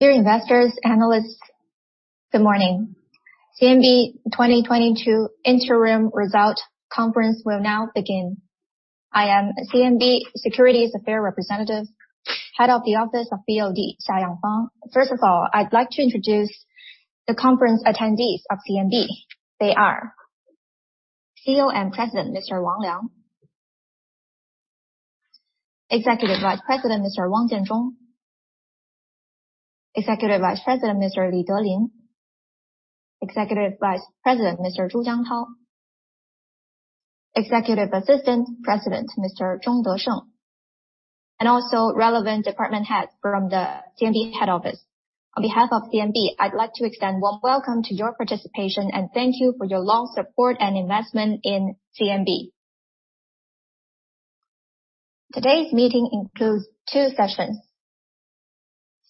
Dear investors, analysts, good morning. CMB 2022 interim result conference will now begin. I am CMB Securities Affairs Representative, Head of the Office of BOD, Xia Yangfang. First of all, I'd like to introduce the conference attendees of CMB. They are CEO and President, Mr. Wang Liang. Executive Vice President, Mr. Wang Jianzhong. Executive Vice President, Mr. Li Delin. Executive Vice President, Mr. Zhu Jiangtao. Executive Assistant President, Mr. Zhong Desheng, and also relevant department head from the CMB head office. On behalf of CMB, I'd like to extend a warm welcome to your participation and thank you for your long support and investment in CMB. Today's meeting includes two sessions.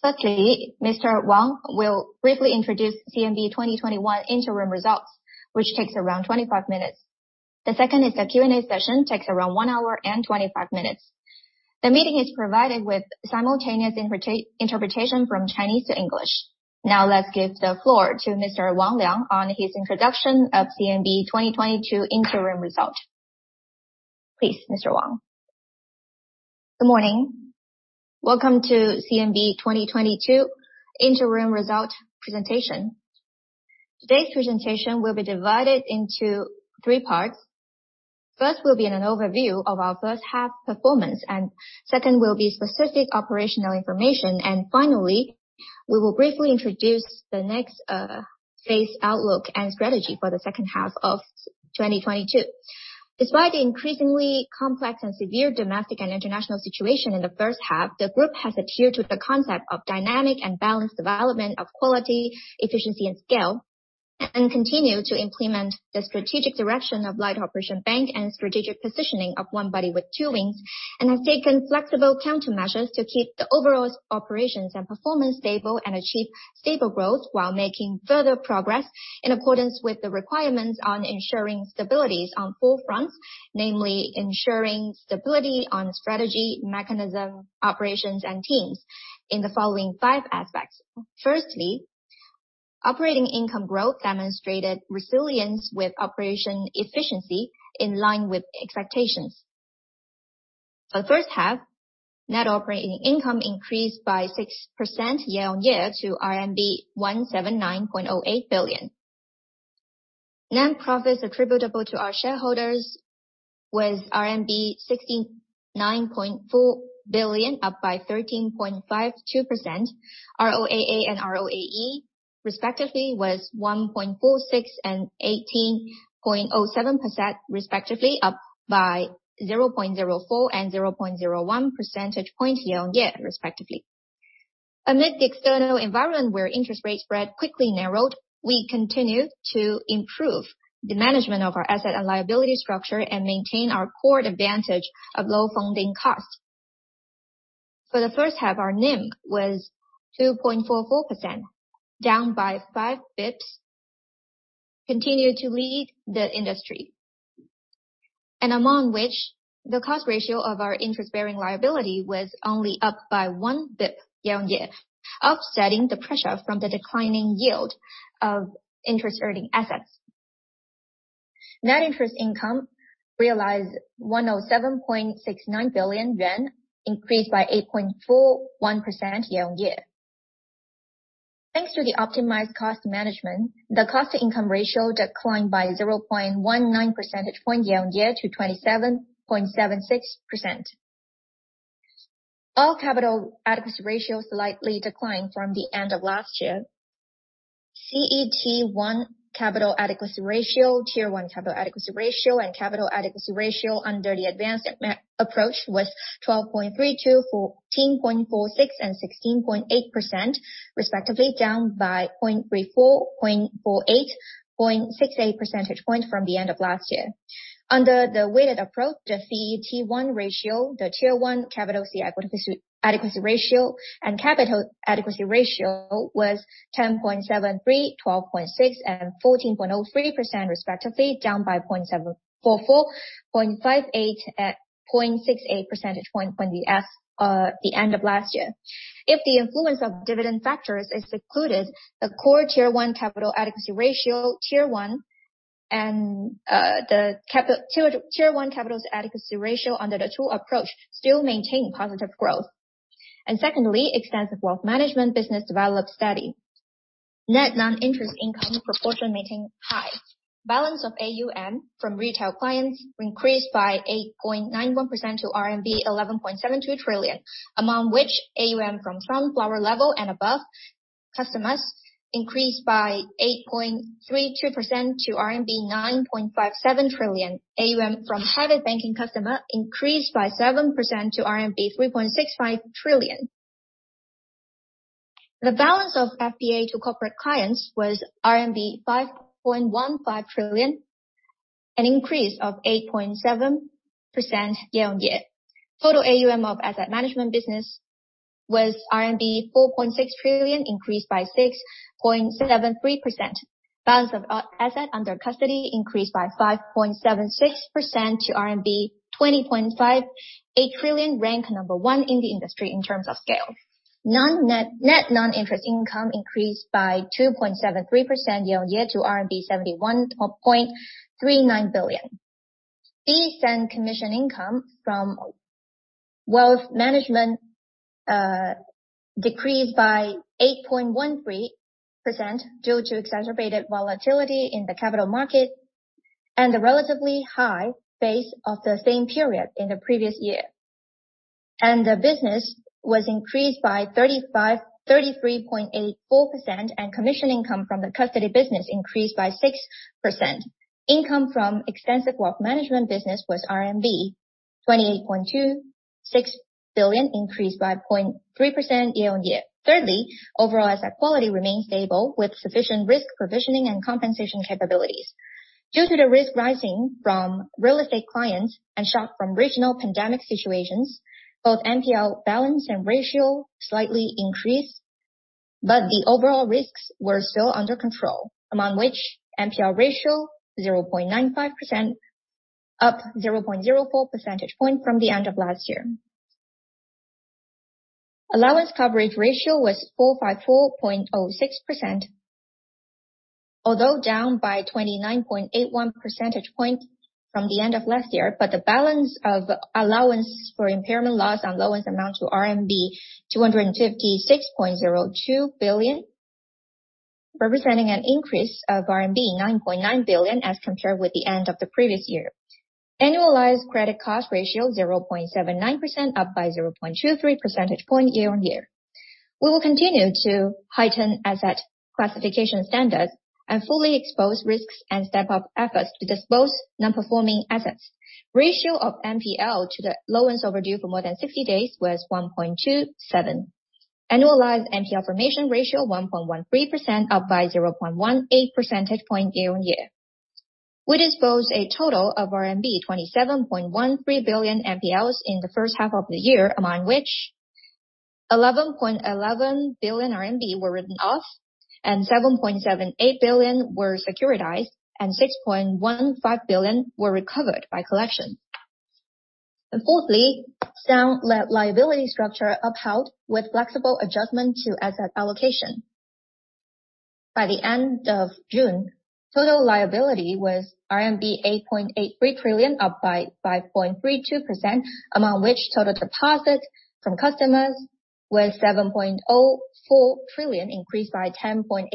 Firstly, Mr. Wang will briefly introduce CMB 2021 interim results, which takes around 25 minutes. The second is the Q&A session, takes around 1 hour and 25 minutes. The meeting is provided with simultaneous interpretation from Chinese to English. Now let's give the floor to Mr. Wang Liang on his introduction of CMB 2022 interim results. Please, Mr. Wang. Good morning. Welcome to CMB 2022 interim result presentation. Today's presentation will be divided into three parts. First will be an overview of our H1 performance, and second will be specific operational information. Finally, we will briefly introduce the next phase outlook and strategy for the H2 of 2022. Despite the increasingly complex and severe domestic and international situation in the H1, the group has adhered to the concept of dynamic and balanced development of quality, efficiency, and scale, and continue to implement the strategic direction of Light-operation Bank and strategic positioning of One Body with Two Wings, and has taken flexible countermeasures to keep the overall operations and performance stable and achieve stable growth while making further progress in accordance with the requirements on ensuring stabilities on four fronts, namely ensuring stability on strategy, mechanism, operations, and teams in the following five aspects. Firstly, operating income growth demonstrated resilience with operation efficiency in line with expectations. The H1, net operating income increased by 6% year-on-year to RMB 179.08 billion. Net profits attributable to our shareholders was CNY 69.4 billion, up by 13.52%. ROAA and ROAE respectively was 1.46% and 18.07% respectively, up by 0.04 and 0.01 percentage points year-on-year, respectively. Amid the external environment where interest rate spread quickly narrowed, we continued to improve the management of our asset and liability structure and maintain our core advantage of low funding costs. For the H1, our NIM was 2.44%, down by five basis points, continued to lead the industry. Among which, the cost ratio of our interest-bearing liability was only up by one basis point year-on-year, offsetting the pressure from the declining yield of interest earning assets. Net interest income realized 7.69 billion yuan, increased by 8.41% year-on-year. Thanks to the optimized cost management, the cost-to-income ratio declined by 0.19 percentage points year-on-year to 27.76%. All capital adequacy ratios slightly declined from the end of last year. CET1 capital adequacy ratio, Tier 1 capital adequacy ratio, and capital adequacy ratio under the advanced approach was 12.32%, 14.46%, and 16.8% respectively, down by 0.34, 0.48, 0.68 percentage points from the end of last year. Under the standardized approach, the CET1 ratio, the Tier 1 capital adequacy ratio, and capital adequacy ratio was 10.73, 12.6, and 14.03% respectively, down by 0.744, 0.58, and 0.68 percentage points from the end of last year. If the influence of dividend factors is excluded, the core Tier 1 capital adequacy ratio, Tier 1 and the Tier 1 capital adequacy ratio under the two approach still maintain positive growth. Extensive wealth management business developed steady. Net non-interest income proportion maintain high. Balance of AUM from retail clients increased by 8.91% to RMB 11.72 trillion, among which AUM from Sunflower level and above customers increased by 8.32% to RMB 9.57 trillion. AUM from private banking customer increased by 7% to RMB 3.65 trillion. The balance of FPA to corporate clients was RMB 5.15 trillion, an increase of 8.7% year-on-year. Total AUM of asset management business was RMB 4.6 trillion, increased by 6.73%. Balance of asset under custody increased by 5.76% to RMB 20.58 trillion, rank number one in the industry in terms of scale. Net non-interest income increased by 2.73% year-on-year to RMB 71.39 billion. Fees and commission income from wealth management decreased by 8.13% due to exacerbated volatility in the capital market and the relatively high base of the same period in the previous year. The business was increased by 33.84%, and commission income from the custody business increased by 6%. Income from extensive wealth management business was RMB 28.26 billion, increased by 0.3% year-on-year. Thirdly, overall asset quality remains stable, with sufficient risk provisioning and compensation capabilities. Due to the risk rising from real estate clients and shock from regional pandemic situations, both NPL balance and ratio slightly increased, but the overall risks were still under control, among which NPL ratio 0.95%, up 0.04 percentage point from the end of last year. Allowance coverage ratio was 454.06%. Although down by 29.81 percentage point from the end of last year, but the balance of allowance for impairment loss on loans amount to 256.02 billion, representing an increase of RMB 9.9 billion as compared with the end of the previous year. Annualized credit cost ratio 0.79%, up by 0.23 percentage point year-on-year. We will continue to heighten asset classification standards and fully expose risks and step up efforts to dispose non-performing assets. Ratio of NPL to the lowest overdue for more than 60 days was 1.27. Annualized NPL formation ratio 1.13%, up by 0.18 percentage point year-on-year. We disposed a total of RMB 27.13 billion NPLs in the H1 of the year, among which 11 billion RMB were written off, and 7.78 billion were securitized, and 6.15 billion were recovered by collection. Fourthly, sound liability structure upheld with flexible adjustment to asset allocation. By the end of June, total liability was RMB 8.83 trillion, up by 5.32%, among which total deposits from customers was 7.04 trillion, increased by 10.87%.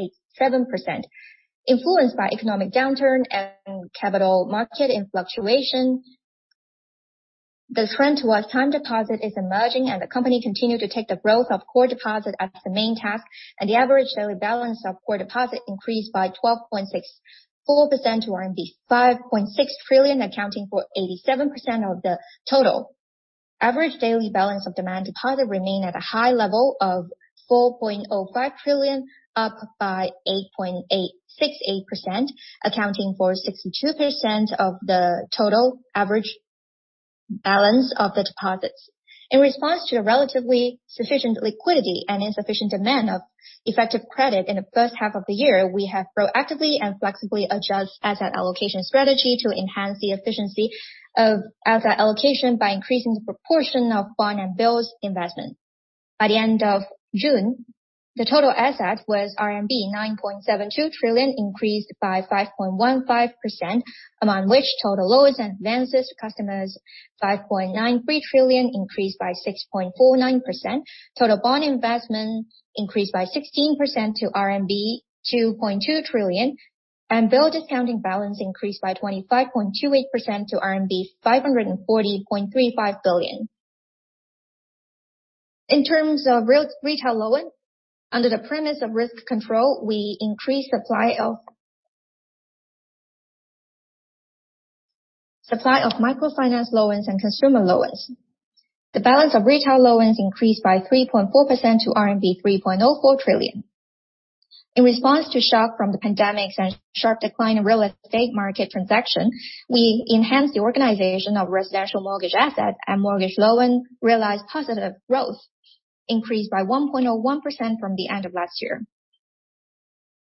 Influenced by economic downturn and capital market in fluctuation, the trend towards time deposit is emerging, and the company continued to take the growth of core deposits as the main task, and the average daily balance of core deposit increased by 12.64% to RMB 5.6 trillion, accounting for 87% of the total. Average daily balance of demand deposit remained at a high level of 4.05 trillion, up by 8.868%, accounting for 62% of the total average balance of the deposits. In response to the relatively sufficient liquidity and insufficient demand of effective credit in the H1 of the year, we have proactively and flexibly adjusted asset allocation strategy to enhance the efficiency of asset allocation by increasing the proportion of bond and bills investment. By the end of June, the total assets were RMB 9.72 trillion, increased by 5.15%, among which total loans and advances to customers RMB 5.93 trillion, increased by 6.49%. Total bond investment increased by 16% to RMB 2.2 trillion, and bill discounting balance increased by 25.28% to RMB 540.35 billion. In terms of retail loans, under the premise of risk control, we increased supply of microfinance loans and consumer loans. The balance of retail loans increased by 3.4% to RMB 3.04 trillion. In response to shock from the pandemic and sharp decline in real estate market transactions, we enhanced the origination of residential mortgage assets, and mortgage loans realized positive growth, increased by 1.01% from the end of last year.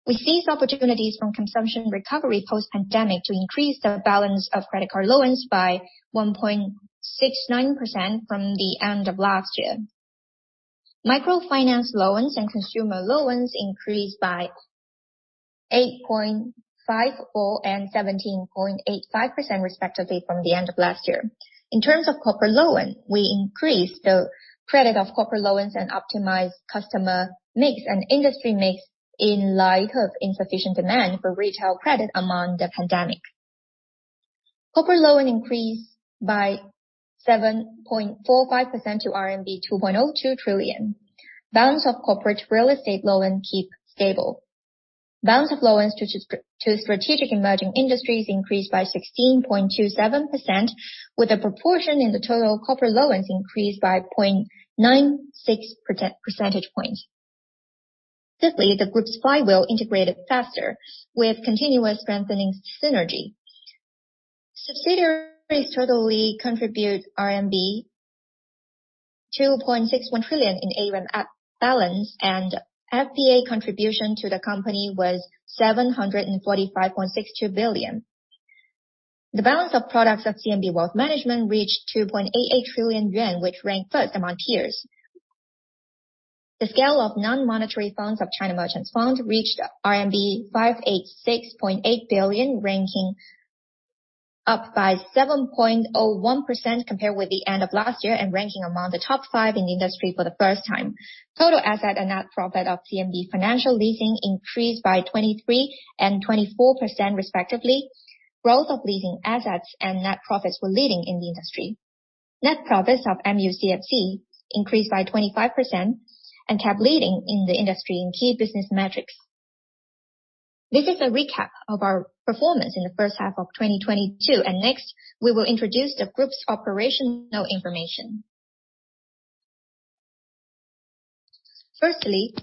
We seized opportunities from consumption recovery post-pandemic to increase the balance of credit card loans by 1.69% from the end of last year. Microfinance loans and consumer loans increased by 8.54% and 17.85% respectively from the end of last year. In terms of corporate loans, we increased the credit of corporate loans and optimized customer mix and industry mix in light of insufficient demand for retail credit amid the pandemic. Corporate loans increased by 7.45% to RMB 2.02 trillion. Balance of corporate real estate loans kept stable. Balance of loans to strategic emerging industries increased by 16.27%, with the proportion in the total corporate loans increased by 0.96 percentage points. Fifthly, the group's flywheel integrated faster with continuous strengthening synergy. Subsidiaries totally contributed CNY 2.61 trillion in AUM balance and FPA contribution to the company was 745.62 billion. The balance of products of CMB Wealth Management reached 2.88 trillion yuan, which ranked first among peers. The scale of non-monetary funds of China Merchants Fund Management reached RMB 586.8 billion, ranking up by 7.01% compared with the end of last year and ranking among the top five in the industry for the first time. Total asset and net profit of CMB Financial Leasing increased by 23% and 24% respectively. Growth of leasing assets and net profits were leading in the industry. Net profits of CMB Consumer Finance increased by 25% and kept leading in the industry in key business metrics. This is a recap of our performance in the H1 of 2022, and next, we will introduce the group's operational information. Firstly,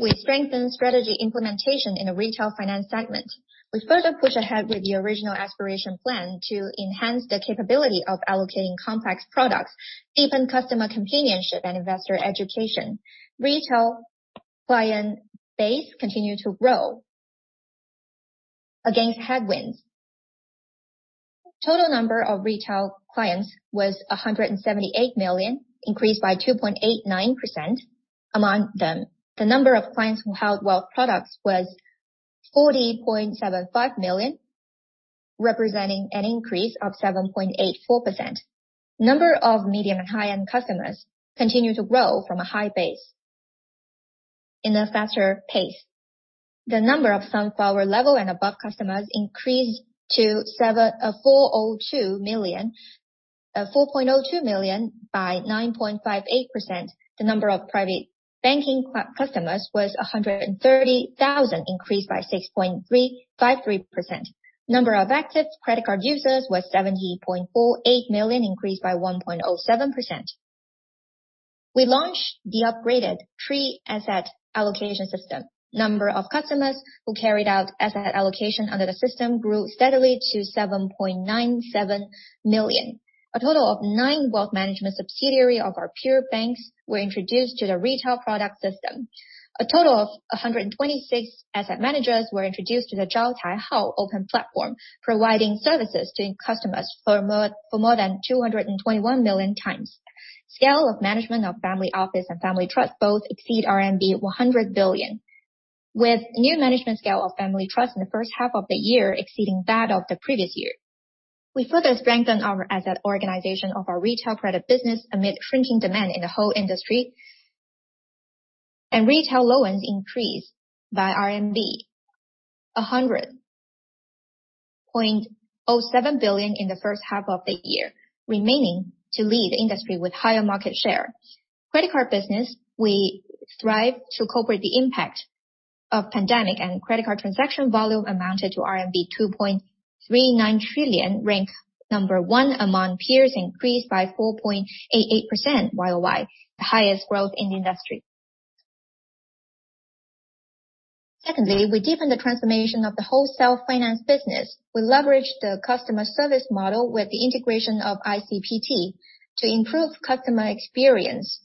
we strengthen strategy implementation in the retail finance segment. We further push ahead with the Original Aspiration Plan to enhance the capability of allocating complex products, deepen customer convenience, and investor education. Retail client base continued to grow against headwinds. Total number of retail clients was 178 million, increased by 2.89%. Among them, the number of clients who held wealth products was 40.75 million, representing an increase of 7.84%. Number of medium and high-end customers continued to grow from a high base in a faster pace. The number of Sunflower level and above customers increased to 4.02 million by 9.58%. The number of private banking customers was 130,000, increased by 6.35%. Number of active credit card users was 70.48 million, increased by 1.07%. We launched the upgraded free asset allocation system. Number of customers who carried out asset allocation under the system grew steadily to 7.97 million. A total of nine wealth management subsidiaries of our peer banks were introduced to the retail product system. A total of 126 asset managers were introduced to the Zhao Cai Hao open platform, providing services to customers more than 221 million times. Scale of management of family office and family trust both exceed RMB 100 billion. With new management scale of family trust in the H1 of the year exceeding that of the previous year. We further strengthened our asset origination of our retail credit business amid shrinking demand in the whole industry. Retail loans increased by RMB 100.07 billion in the H1 of the year, remaining to lead the industry with higher market share. Credit card business, we strive to cover the impact of pandemic, and credit card transaction volume amounted to RMB 2.39 trillion, rank number one among peers, increased by 4.88% YOY, the highest growth in the industry. Secondly, we deepened the transformation of the wholesale finance business. We leveraged the customer service model with the integration of ICPT to improve customer experience,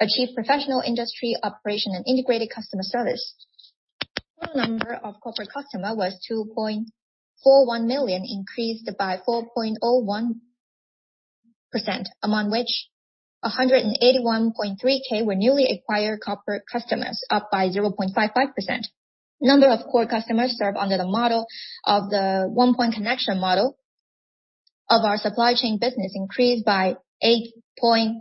achieve professional industry operation and integrated customer service. Total number of corporate customers was 2.41 million, increased by 4.01%, among which 181.3K were newly acquired corporate customers, up by 0.55%. Number of core customers served under the model of the one-point connection model of our supply chain business increased by 8.93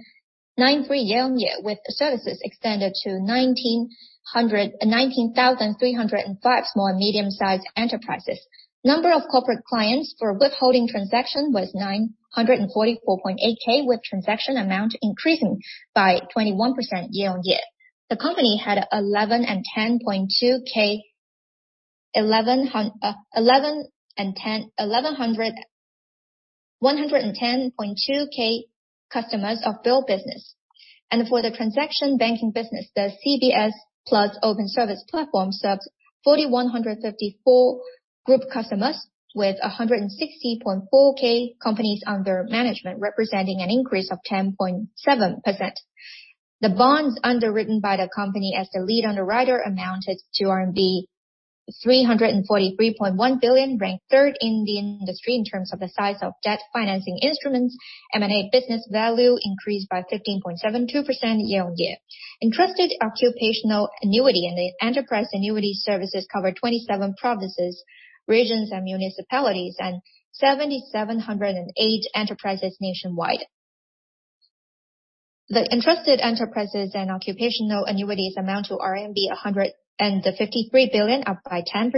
year-on-year, with services extended to 19,305 small and medium-sized enterprises. Number of corporate clients for withholding transaction was 944.8K, with transaction amount increasing by 21% year-on-year. The company had 110.2K customers of bill business. For the transaction banking business, the CBS+ open service platform served 4,154 group customers with 160.4K companies under management, representing an increase of 10.7%. The bonds underwritten by the company as the lead underwriter amounted to RMB 343.1 billion, ranked third in the industry in terms of the size of debt financing instruments. M&A business value increased by 15.72% year-over-year. Entrusted occupational annuity and the enterprise annuity services covered 27 provinces, regions and municipalities and 7,708 enterprises nationwide. The entrusted enterprises and occupational annuities amount to RMB 153 billion, up by 10%.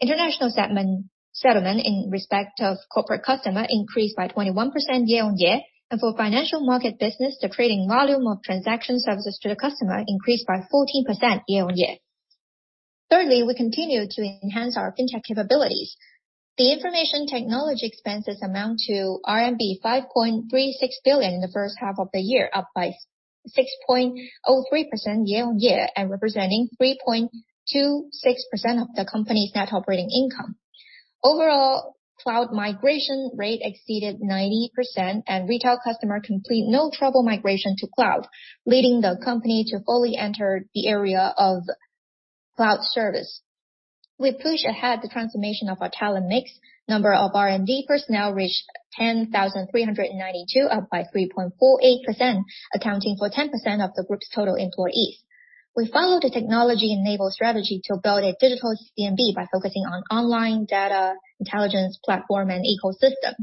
International settlement in respect of corporate customer increased by 21% year-over-year. For financial market business, the trading volume of transaction services to the customer increased by 14% year-over-year. Thirdly, we continue to enhance our fintech capabilities. The information technology expenses amount to RMB 5.36 billion in the H1 of the year, up by 6.03% year-over-year and representing 3.26% of the company's net operating income. Overall, cloud migration rate exceeded 90%, and retail customer complete no trouble migration to cloud, leading the company to fully enter the area of cloud service. We push ahead the transformation of our talent mix. Number of R&D personnel reached 10,392, up by 3.48%, accounting for 10% of the group's total employees. We follow the technology-enabled strategy to build a digital CMB by focusing on online data intelligence platform, and ecosystem.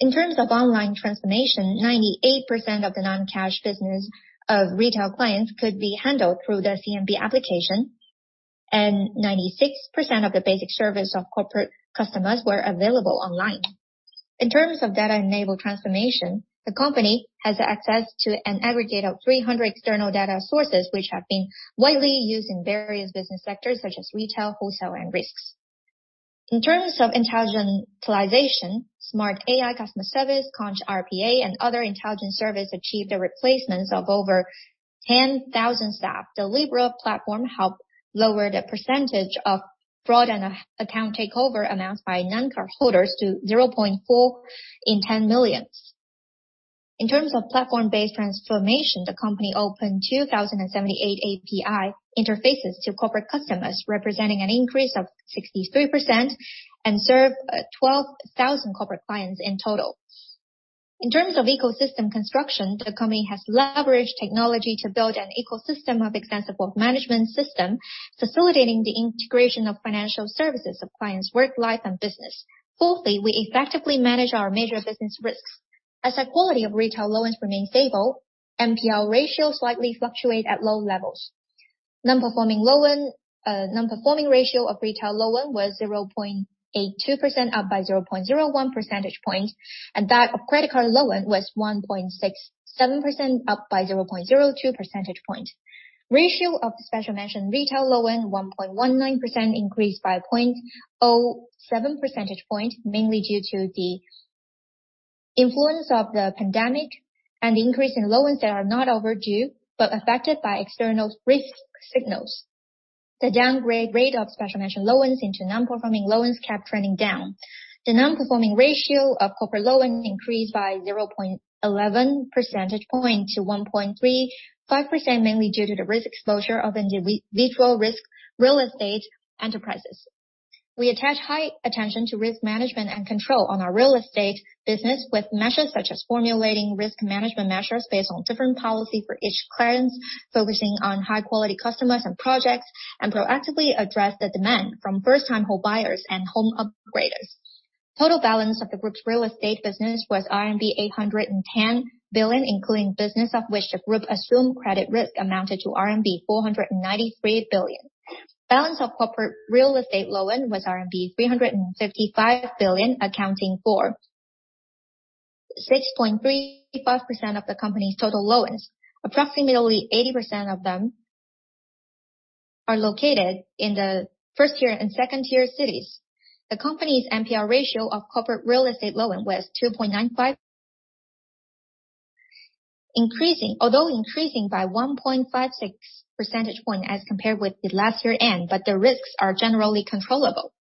In terms of online transformation, 98% of the non-cash business of retail clients could be handled through the CMB application, and 96% of the basic service of corporate customers were available online. In terms of data-enabled transformation, the company has access to an aggregate of 300 external data sources which have been widely used in various business sectors such as retail, wholesale, and risks. In terms of intelligentization, smart AI customer service, Conch RPA and other intelligent service achieved the replacements of over 10,000 staff. The Libra platform help lower the percentage of fraud and account takeover amounts by non-cardholders to 0.4 in ten million. In terms of platform-based transformation, the company opened 2,078 API interfaces to corporate customers, representing an increase of 63% and serve 12,000 corporate clients in total. In terms of ecosystem construction, the company has leveraged technology to build an ecosystem of extensive wealth management system, facilitating the integration of financial services of clients' work-life and business. Fourthly, we effectively manage our major business risks. Asset quality of retail loans remain stable. NPL ratio slightly fluctuate at low levels. Non-performing ratio of retail loan was 0.82%, up by 0.01 percentage point, and that of credit card loan was 1.67%, up by 0.02 percentage point. Ratio of the special mention retail loan, 1.19% increased by 0.07 percentage point, mainly due to the influence of the pandemic and the increase in loans that are not overdue but affected by external risk signals. The downgrade rate of special mention loans into non-performing loans kept trending down. The non-performing ratio of corporate loan increased by 0.11 percentage point to 1.35%, mainly due to the risk exposure of individual risk real estate enterprises. We attach high attention to risk management and control on our real estate business with measures such as formulating risk management measures based on different policy for each client, focusing on high quality customers and projects, and proactively address the demand from first-time home buyers and home upgraders. Total balance of the group's real estate business was RMB 810 billion, including business of which the group assumed credit risk amounted to RMB 493 billion. Balance of corporate real estate loan was RMB 355 billion, accounting for 6.35% of the company's total loans. Approximately 80% of them are located in the first-tier and second-tier cities. The company's NPL ratio of corporate real estate loan was 2.95%. Increasing. Although increasing by 1.56 percentage points as compared with the last year end, but the risks are generally controllable.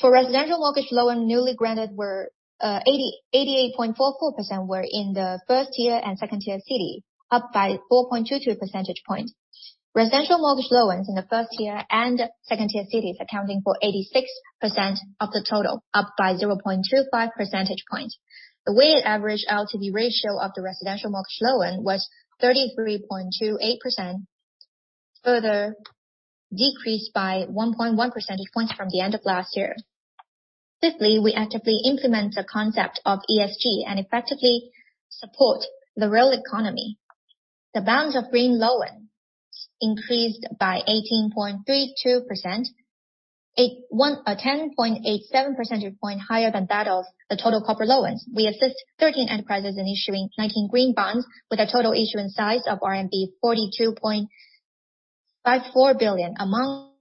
For residential mortgage loan, newly granted were eighty-eight point four four percent were in the first-tier and second-tier city, up by 4.22 percentage points. Residential mortgage loans in the first-tier and second-tier cities accounting for 86% of the total, up by 0.25 percentage points. The weighted average LTV ratio of the residential mortgage loan was 33.28%, further decreased by 1.1 percentage points from the end of last year. Fifthly, we actively implement the concept of ESG and effectively support the real economy. The balance of green loans increased by 18.32%. It won a 10.87 percentage point higher than that of the total corporate loans. We assisted 13 enterprises in issuing 19 green bonds with a total issuance size of RMB 42.54 billion. Among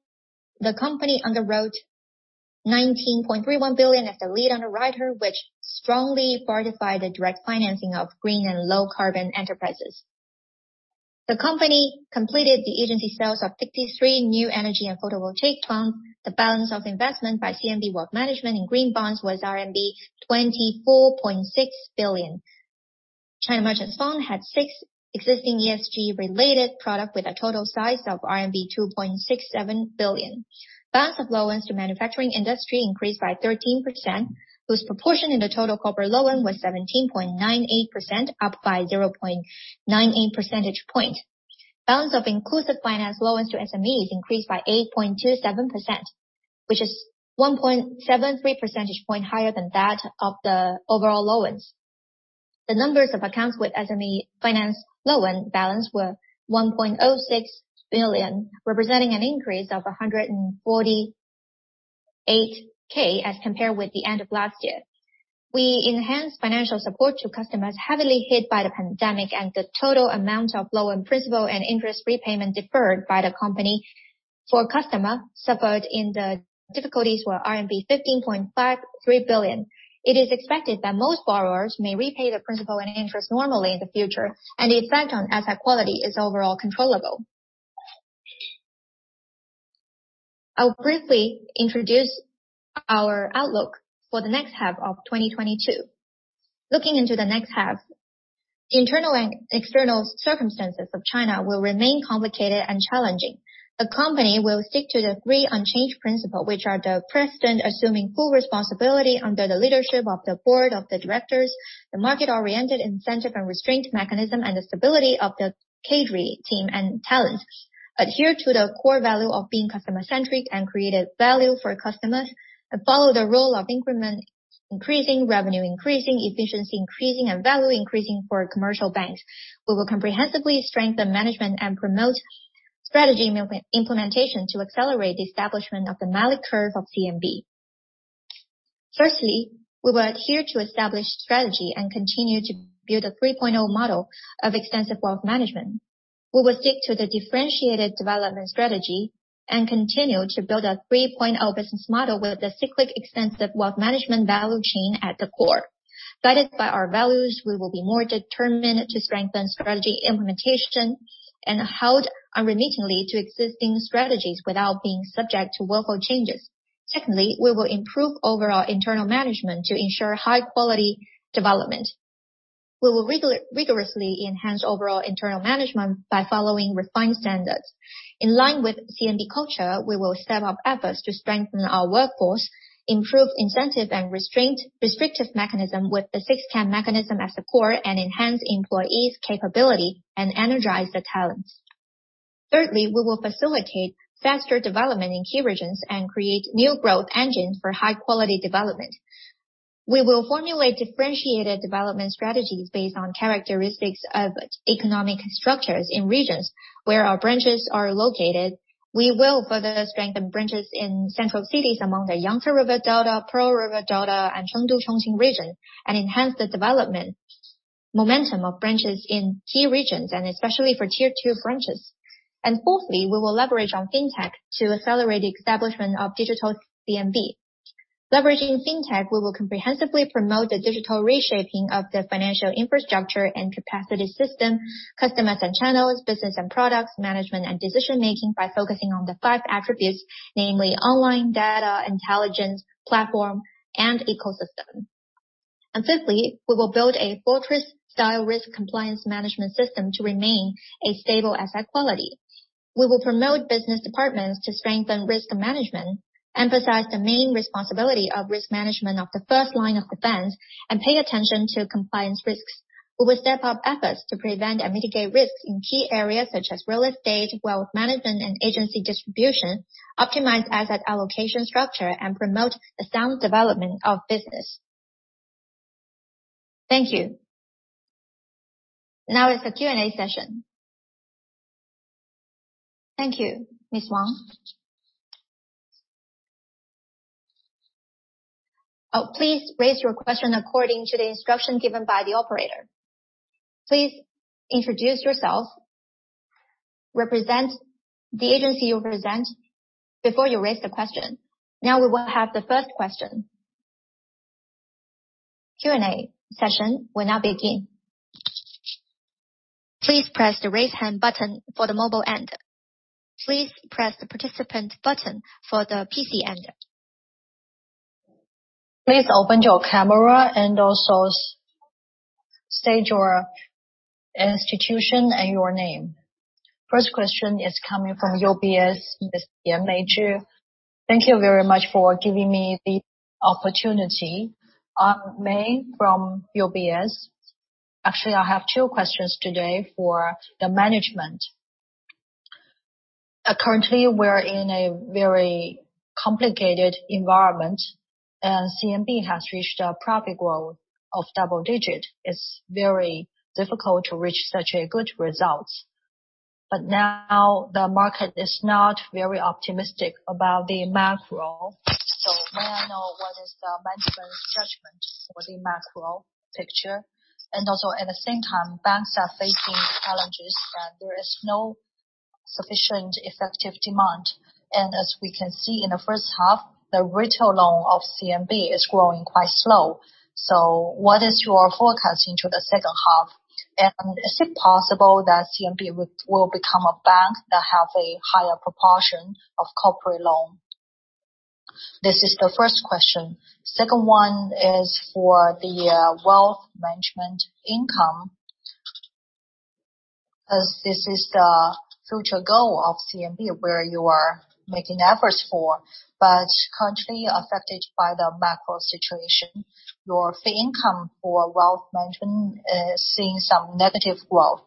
them, the company underwrote 19.31 billion as the lead underwriter, which strongly fortified the direct financing of green and low carbon enterprises. The company completed the agency sales of 53 new energy and photovoltaic plants. The balance of investment by CMB Wealth Management in green bonds was RMB 24.6 billion. China Merchants Fund had 6 existing ESG-related products with a total size of RMB 2.67 billion. Balance of loans to manufacturing industry increased by 13%, whose proportion in the total corporate loans was 17.98%, up by 0.98 percentage point. Balance of inclusive finance loans to SMEs increased by 8.27%, which is 1.73 percentage point higher than that of the overall loans. The numbers of accounts with SME finance loan balance were 1.06 billion, representing an increase of 148K as compared with the end of last year. We enhanced financial support to customers heavily hit by the pandemic, and the total amount of loan principal and interest repayment deferred by the company for customers suffering in the difficulties were RMB 15.53 billion. It is expected that most borrowers may repay the principal and interest normally in the future, and the effect on asset quality is overall controllable. I'll briefly introduce our outlook for the next half of 2022. Looking into the next half, the internal and external circumstances of China will remain complicated and challenging. The company will stick to the three unchanged principle, which are the president assuming full responsibility under the leadership of the board of directors, the market-oriented incentive and restraint mechanism, and the stability of the cadre team and talent. Adhere to the core value of being customer-centric and create value for customers, and follow the role of increment increasing, revenue increasing, efficiency increasing, and value increasing for commercial banks. We will comprehensively strengthen management and promote strategy implementation to accelerate the establishment of the Malik curve of CMB. Firstly, we will adhere to established strategy and continue to build a 3.0 model of extensive wealth management. We will stick to the differentiated development strategy and continue to build a 3.0 business model with the cyclic extensive wealth management value chain at the core. Guided by our values, we will be more determined to strengthen strategy implementation and hold unremittingly to existing strategies without being subject to workflow changes. Secondly, we will improve overall internal management to ensure high quality development. We will rigorously enhance overall internal management by following refined standards. In line with CMB culture, we will step up efforts to strengthen our workforce, improve incentive and restrictive mechanism with the six-can mechanism as the core, and enhance employees capability and energize the talents. Thirdly, we will facilitate faster development in key regions and create new growth engines for high quality development. We will formulate differentiated development strategies based on characteristics of economic structures in regions where our branches are located. We will further strengthen branches in central cities among the Yangtze River Delta, Pearl River Delta, and Chengdu-Chongqing region, and enhance the development momentum of branches in key regions, and especially for tier two branches. Fourthly, we will leverage on fintech to accelerate the establishment of digital CMB. Leveraging fintech, we will comprehensively promote the digital reshaping of the financial infrastructure and capacity system, customers and channels, business and products, management and decision making by focusing on the five attributes, namely online data, intelligence, platform, and ecosystem. Fifthly, we will build a fortress-style risk compliance management system to remain a stable asset quality. We will promote business departments to strengthen risk management, emphasize the main responsibility of risk management of the first line of defense, and pay attention to compliance risks. We will step up efforts to prevent and mitigate risks in key areas such as real estate, wealth management, and agency distribution, optimize asset allocation structure, and promote the sound development of business. Thank you. Now is the Q&A session. Thank you, Mr. Wang. Please raise your question according to the instructions given by the operator. Please introduce yourself, represent the agency you represent before you raise the question. Now we will have the first question. Q&A session will now begin. Please press the raise hand button for the mobile end. Please press the participant button for the PC end. Please open your camera and also state your institution and your name. First question is coming from UBS, Ms. May Yan. Thank you very much for giving me the opportunity. I'm May from UBS. Actually, I have two questions today for the management. Currently, we're in a very complicated environment and CMB has reached a profit growth of double-digit. It's very difficult to reach such good results. Now the market is not very optimistic about the macro. May I know what is the management judgment for the macro picture? Also at the same time, banks are facing challenges and there is no sufficient effective demand. As we can see in the H1, the retail loan of CMB is growing quite slow. What is your forecast into the H2? Is it possible that CMB will become a bank that have a higher proportion of corporate loan? This is the first question. Second one is for the wealth management income. As this is the future goal of CMB, where you are making efforts for, but currently affected by the macro situation, your fee income for wealth management is seeing some negative growth.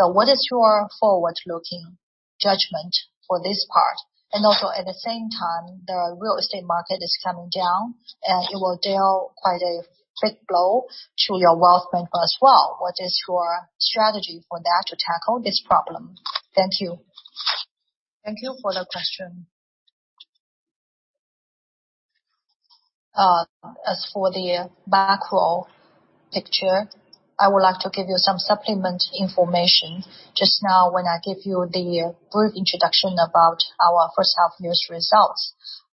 What is your forward-looking judgment for this part? Also at the same time, the real estate market is coming down, and it will deal quite a big blow to your wealth management as well. What is your strategy for that to tackle this problem? Thank you. Thank you for the question. As for the macro picture, I would like to give you some supplement information. Just now when I gave you the brief introduction about our H1 year's results.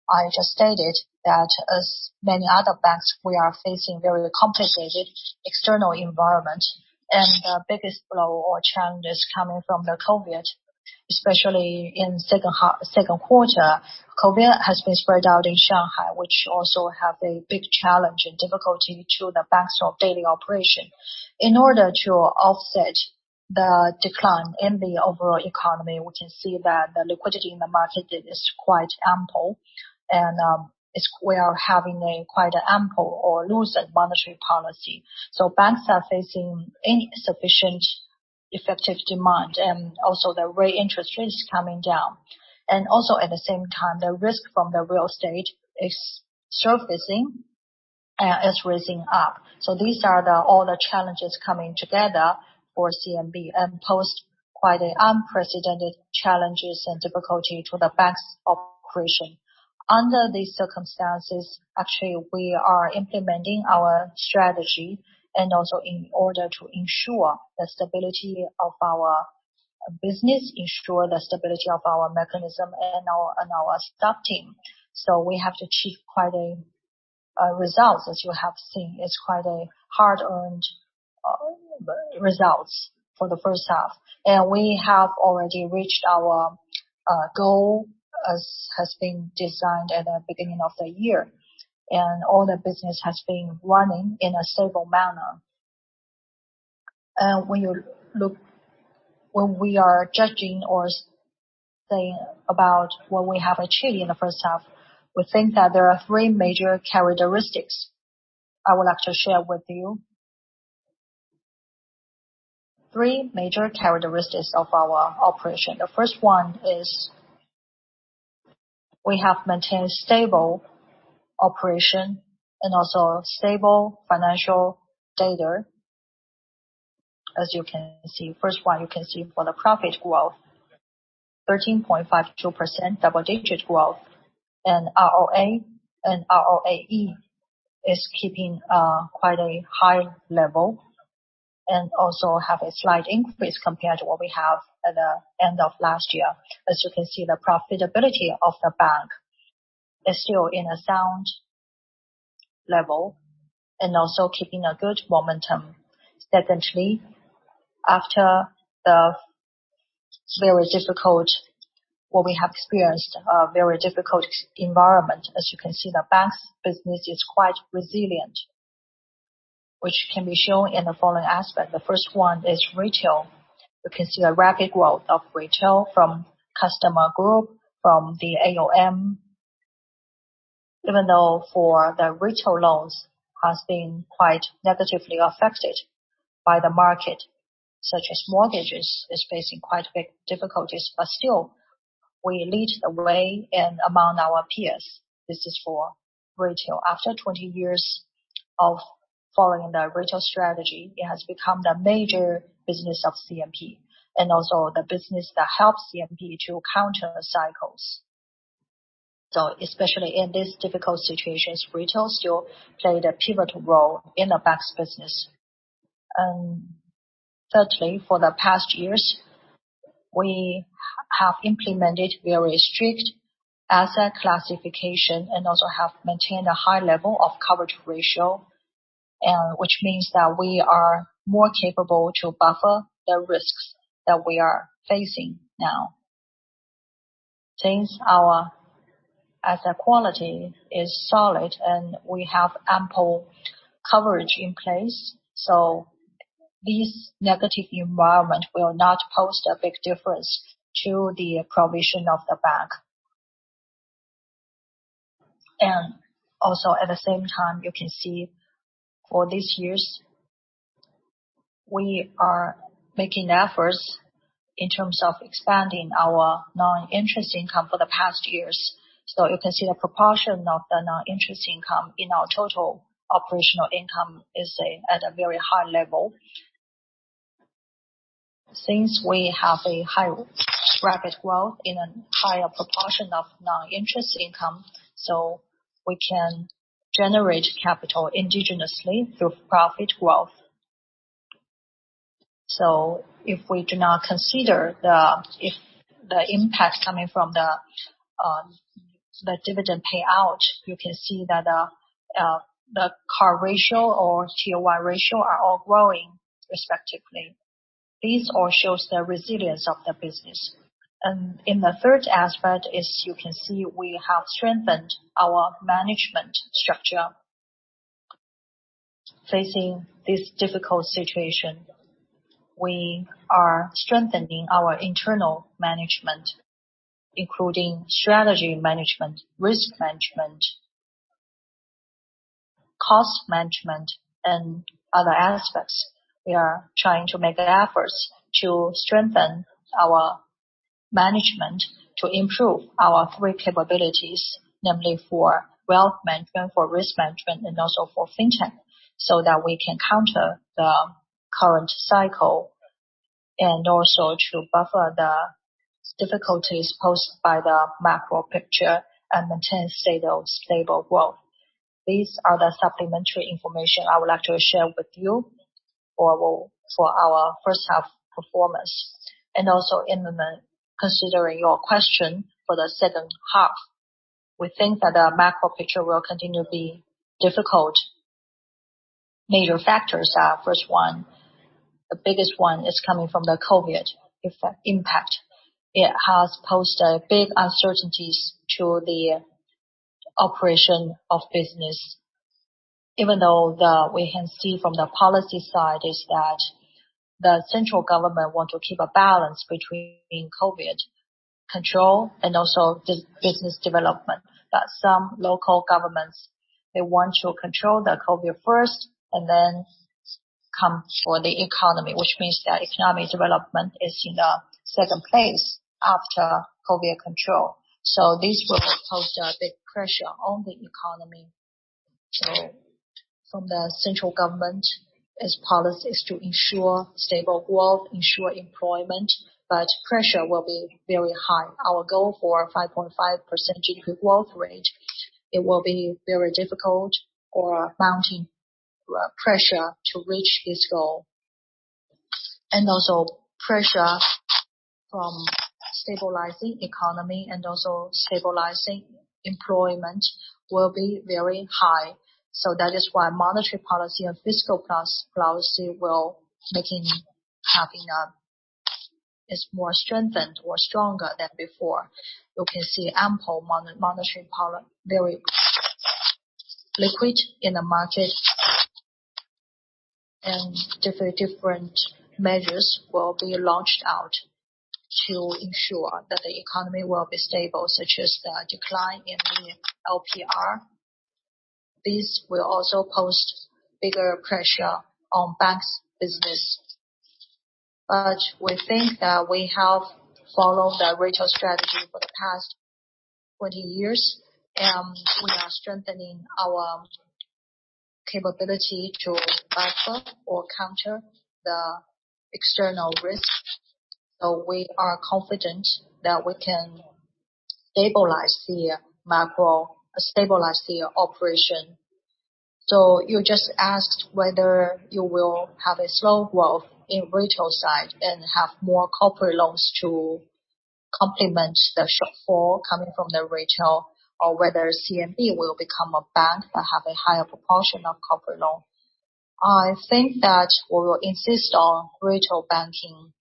I just stated that as many other banks, we are facing very complicated external environment, and the biggest blow or challenge is coming from the COVID, especially in second quarter. COVID has been spread out in Shanghai, which also has a big challenge and difficulty to the bank's daily operation. In order to offset the decline in the overall economy, we can see that the liquidity in the market is quite ample and we are having a quite ample or looser monetary policy. Banks are facing insufficient effective demand and also the interest rate is coming down. Also at the same time, the risk from the real estate is surfacing and is rising up. These are all the challenges coming together for CMB and pose quite an unprecedented challenges and difficulty to the bank's operation. Under these circumstances, actually we are implementing our strategy and also in order to ensure the stability of our business, ensure the stability of our mechanism and our staff team. We have achieved quite a result, as you have seen. It's quite a hard-earned results for the H1. We have already reached our goal as has been designed at the beginning of the year. All the business has been running in a stable manner. When you look. When we are judging or saying about what we have achieved in the H1, we think that there are three major characteristics I would like to share with you. Three major characteristics of our operation. The first one is we have maintained stable operation and also stable financial data. As you can see. First one, you can see for the profit growth, 13.52%, double-digit growth, and ROA and ROAE is keeping quite a high level and also have a slight increase compared to what we have at the end of last year. As you can see, the profitability of the bank is still in a sound level and also keeping a good momentum. Secondly, after what we have experienced, a very difficult environment, as you can see, the bank's business is quite resilient, which can be shown in the following aspect. The first one is retail. You can see the rapid growth of retail from customer group, from the AUM. Even though for the retail loans has been quite negatively affected by the market, such as mortgages, is facing quite big difficulties, but still we lead the way and among our peers. This is for retail. After 20 years of following the retail strategy, it has become the major business of CMB and also the business that helps CMB to counter the cycles. Especially in these difficult situations, retail still play the pivotal role in the bank's business. Thirdly, for the past years, we have implemented very strict asset classification and also have maintained a high level of coverage ratio, and which means that we are more capable to buffer the risks that we are facing now. Since our asset quality is solid and we have ample coverage in place, this negative environment will not pose a big difference to the provision of the bank. At the same time, you can see for these years, we are making efforts in terms of expanding our non-interest income for the past years. You can see the proportion of the non-interest income in our total operational income is at a very high level. Since we have a high rapid growth in a higher proportion of non-interest income, we can generate capital indigenously through profit growth. If we do not consider if the impact coming from the the dividend payout, you can see that the CAR ratio or COI ratio are all growing respectively. These all shows the resilience of the business. In the third aspect is you can see we have strengthened our management structure. Facing this difficult situation, we are strengthening our internal management, including strategy management, risk management, cost management and other aspects. We are trying to make efforts to strengthen our management to improve our three capabilities, namely for wealth management, for risk management, and also for fintech, so that we can counter the current cycle and also to buffer the difficulties posed by the macro picture and maintain stable growth. These are the supplementary information I would like to share with you for our H1 performance. Considering your question for the H2, we think that the macro picture will continue to be difficult. Major factors are, first one, the biggest one is coming from the COVID-19 impact. It has posed big uncertainties to the operation of business. Even though we can see from the policy side is that the central government want to keep a balance between COVID-19 control and also business development. Some local governments, they want to control the COVID first and then come for the economy, which means that economic development is in a second place after COVID control. This will pose a big pressure on the economy. From the central government, its policy is to ensure stable growth, ensure employment, but pressure will be very high. Our goal for 5.5% growth rate, it will be very difficult or mounting pressure to reach this goal. Pressure from stabilizing economy and also stabilizing employment will be very high. That is why monetary policy and fiscal policy will be more strengthened or stronger than before. You can see ample monetary policy very liquid in the market. Different measures will be launched out to ensure that the economy will be stable, such as the decline in LPR. This will also pose bigger pressure on banks' business. We think that we have followed the retail strategy for the past 20 years, and we are strengthening our capability to buffer or counter the external risk. We are confident that we can stabilize the macro, stabilize the operation. You just asked whether you will have a slow growth in retail side and have more corporate loans to complement the shortfall coming from the retail or whether CMB will become a bank that have a higher proportion of corporate loan. I think that we will insist on retail banking,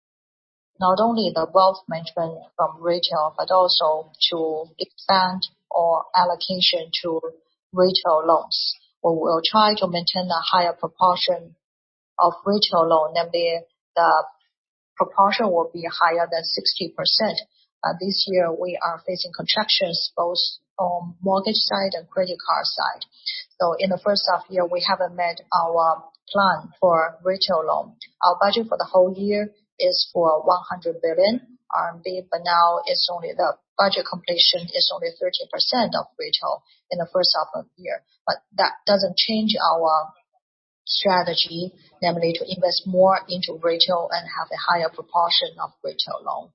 not only the wealth management from retail, but also to expand our allocation to retail loans. We will try to maintain a higher proportion of retail loan. Namely, the proportion will be higher than 60%. This year, we are facing contractions both on mortgage side and credit card side. In the H1 year, we haven't met our plan for retail loan. Our budget for the whole year is for 100 billion RMB, but now it's only the budget completion is only 13% of retail in the H1 of year. That doesn't change our strategy, namely to invest more into retail and have a higher proportion of retail loan.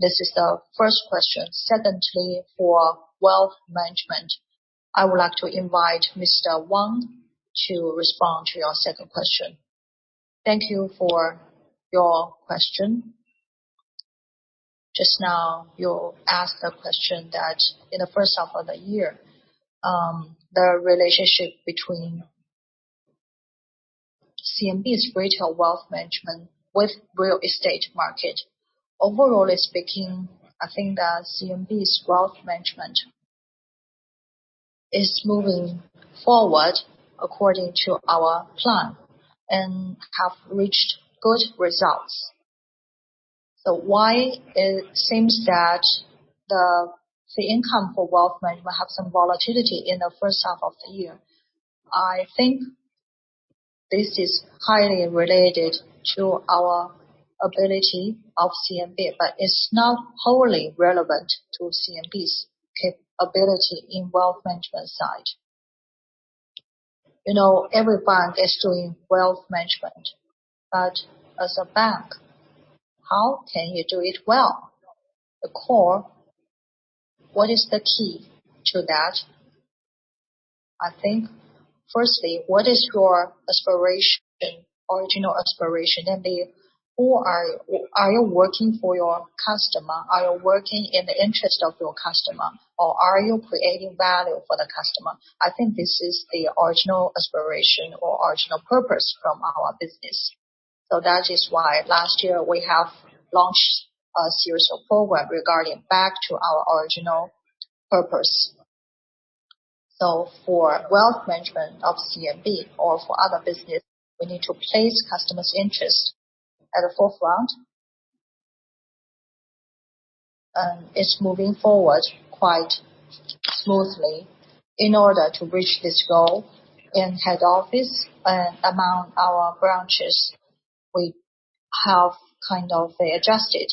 This is the first question. Secondly, for wealth management, I would like to invite Mr. Wang to respond to your second question. Thank you for your question. Just now, you asked a question that in the H1 of the year, the relationship between CMB's retail wealth management with real estate market. Overall speaking, I think that CMB's wealth management is moving forward according to our plan and have reached good results. Why it seems that the income for wealth management have some volatility in the H1 of the year? I think this is highly related to our ability of CMB, but it's not wholly relevant to CMB's capability in wealth management side. You know, every bank is doing wealth management. As a bank, how can you do it well? The core, what is the key to that? I think firstly, what is your aspiration, original aspiration? Namely, who are you? Are you working for your customer? Are you working in the interest of your customer? Or are you creating value for the customer? I think this is the original aspiration or original purpose from our business. That is why last year we have launched a series of programs regarding back to our original aspiration. For wealth management of CMB or for other business, we need to place customers' interest at the forefront. It's moving forward quite smoothly. In order to reach this goal in head office and among our branches, we have kind of adjusted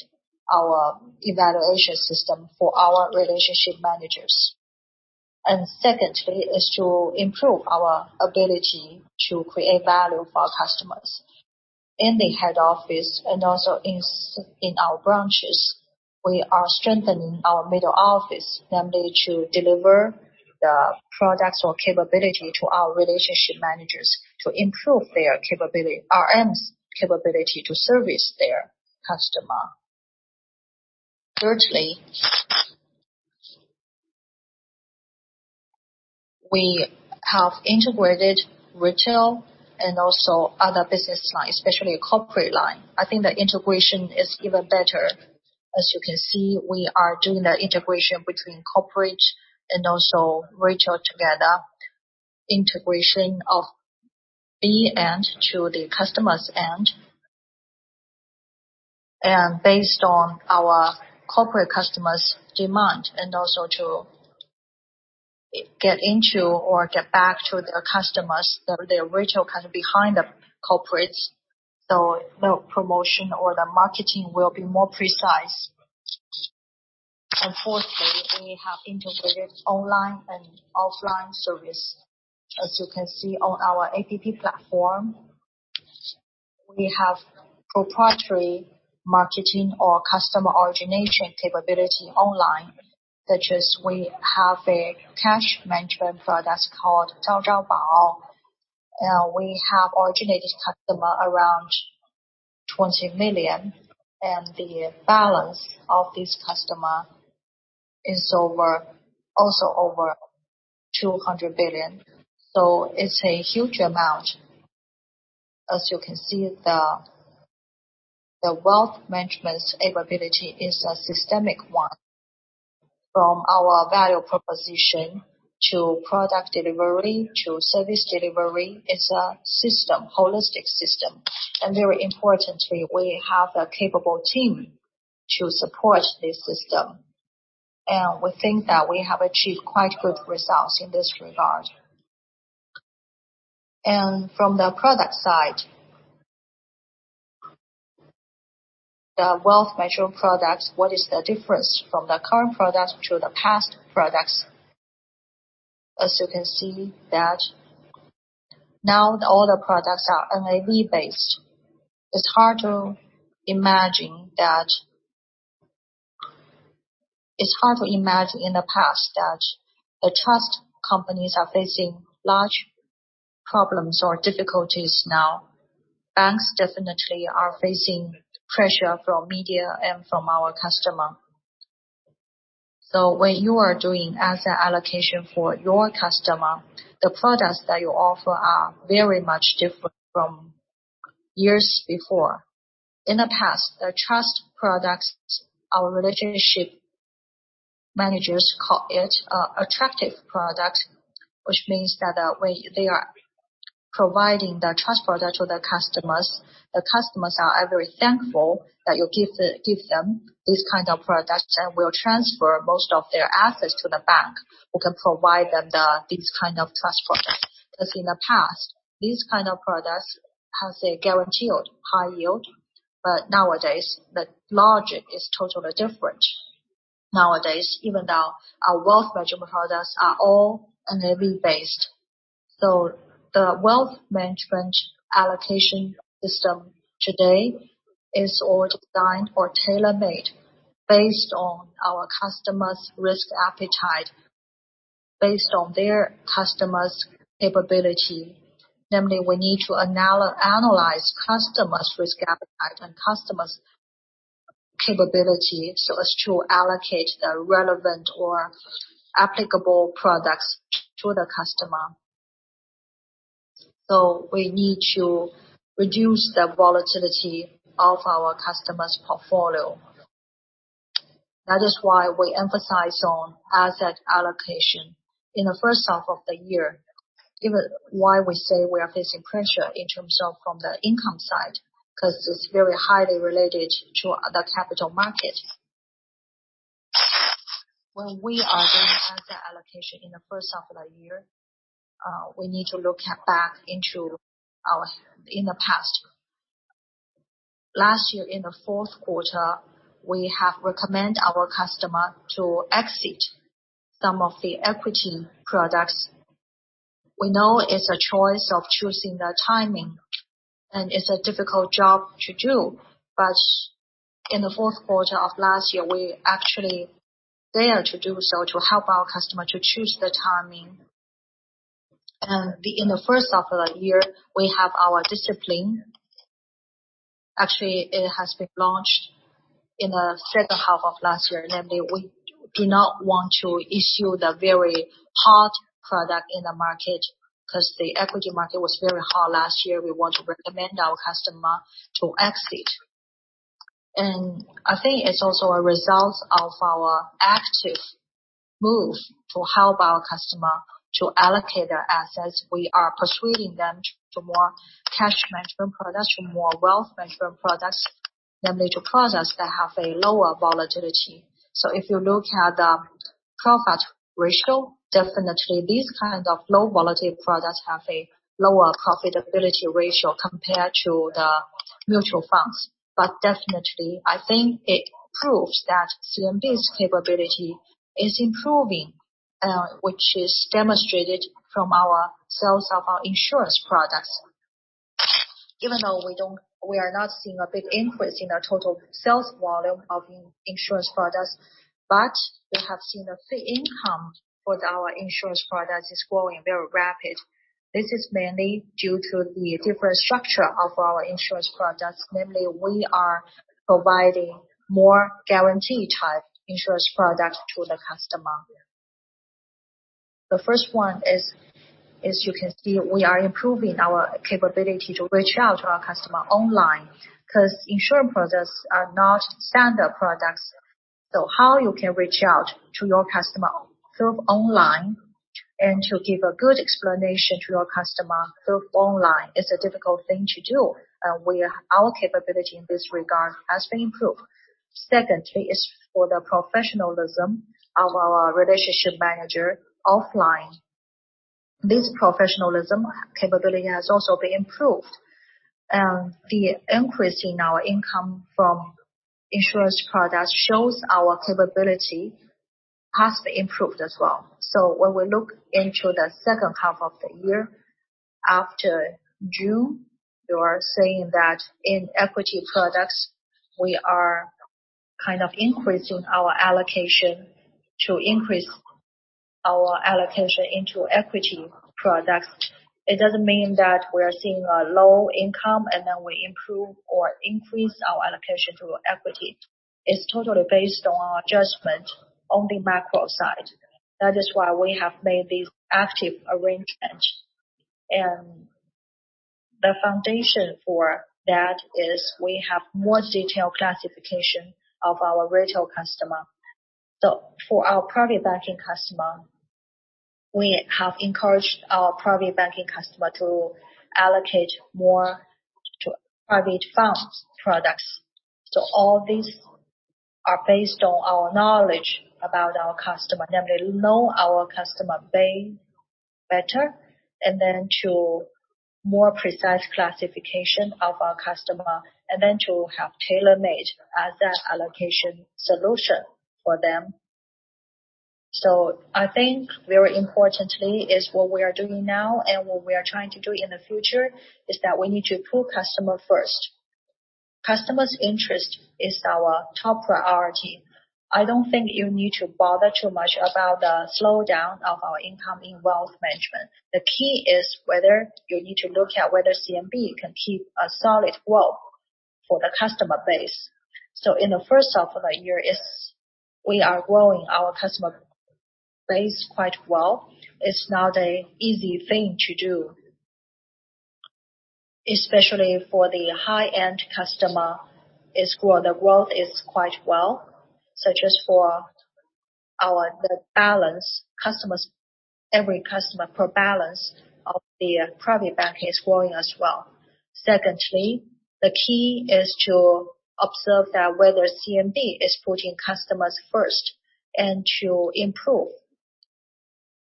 our evaluation system for our relationship managers. Secondly is to improve our ability to create value for our customers. In the head office and also in our branches. We are strengthening our middle office, namely to deliver the products or capability to our relationship managers to improve their capability, RM's capability to service their customer. Thirdly, we have integrated retail and also other business line, especially corporate line. I think the integration is even better. As you can see, we are doing the integration between corporate and also retail together. Integration of the end to the customer's end. Based on our corporate customers' demand and also to get into or get back to the customers, the retail kind of behind the corporates. The promotion or the marketing will be more precise. Fourthly, we have integrated online and offline service. As you can see on our APP platform, we have proprietary marketing or customer origination capability online, such as we have a cash management product called Zhao Zhao Bao. We have originated customer around 20 million, and the balance of this customer is over also over 200 billion. It's a huge amount. As you can see, the wealth management's capability is a systemic one. From our value proposition to product delivery to service delivery, it's a system, holistic system. Very importantly, we have the capable team to support this system. We think that we have achieved quite good results in this regard. From the product side, the wealth management products, what is the difference from the current products to the past products? As you can see that now all the products are NAV-based. It's hard to imagine in the past that the trust companies are facing large problems or difficulties now. Banks definitely are facing pressure from media and from our customer. When you are doing asset allocation for your customer, the products that you offer are very much different from years before. In the past, the trust products, our relationship managers call it, attractive product, which means that, when they are providing the trust product to their customers, the customers are very thankful that you give them this kind of product and will transfer most of their assets to the bank who can provide them these kind of trust product. Because in the past, these kind of products has a guaranteed high yield. Nowadays, the logic is totally different. Nowadays, even now, our wealth management products are all NAV-based. The wealth management allocation system today is all designed or tailor-made based on our customers' risk appetite, based on their customers' capability. Namely, we need to analyze customers' risk appetite and customers' capability so as to allocate the relevant or applicable products to the customer. We need to reduce the volatility of our customers' portfolio. That is why we emphasize on asset allocation. In the H1 of the year, even why we say we are facing pressure in terms of from the income side, 'cause it's very highly related to the capital market. When we are doing asset allocation in the H1 of the year, we need to look back into the past. Last year, in the fourth quarter, we have recommend our customer to exit some of the equity products. We know it's a choice of choosing the timing, and it's a difficult job to do. In the fourth quarter of last year, we actually dare to do so to help our customer to choose the timing. In the H1 of the year, we have our discipline. Actually, it has been launched in the H2 of last year. Namely, we do not want to issue the very hard product in the market, 'cause the equity market was very hard last year. We want to recommend our customer to exit. I think it's also a result of our active move to help our customer to allocate their assets. We are persuading them to more cash management products, to more wealth management products than the two products that have a lower volatility. If you look at the profit ratio, definitely these kind of low volatility products have a lower profitability ratio compared to the mutual funds. Definitely, I think it proves that CMB's capability is improving, which is demonstrated from our sales of our insurance products. Even though we don't. We are not seeing a big increase in our total sales volume of insurance products, but we have seen a fee income for our insurance products is growing very rapid. This is mainly due to the different structure of our insurance products. Namely, we are providing more guarantee type insurance products to the customer. The first one is, as you can see, we are improving our capability to reach out to our customer online, 'cause insurance products are not standard products. So how you can reach out to your customer through online and to give a good explanation to your customer through online is a difficult thing to do. Our capability in this regard has been improved. Secondly, is for the professionalism of our relationship manager offline. This professionalism capability has also been improved, and the increase in our income from insurance products shows our capability has improved as well. When we look into the H2 of the year after June, you are saying that in equity products, we are kind of increasing our allocation into equity products. It doesn't mean that we're seeing a low income, and then we improve or increase our allocation through equity. It's totally based on our judgment on the macro side. That is why we have made these active arrangements. The foundation for that is we have more detailed classification of our retail customer. For our private banking customer, we have encouraged our private banking customer to allocate more to private funds products. All these are based on our knowledge about our customer. Namely, know our customer base better, and then to more precise classification of our customer, and then to have tailor-made asset allocation solution for them. I think what is very important is what we are doing now and what we are trying to do in the future is that we need to put customer first. Customer's interest is our top priority. I don't think you need to bother too much about the slowdown of our income in wealth management. The key is whether you need to look at whether CMB can keep a solid growth for the customer base. In the H1 of the year, we are growing our customer base quite well. It's not an easy thing to do. Especially for the high-end customer is growing. The growth is quite well, such as for our the balance customers. Every customer per balance of the private banking is growing as well. Secondly, the key is to observe that whether CMB is putting customers first and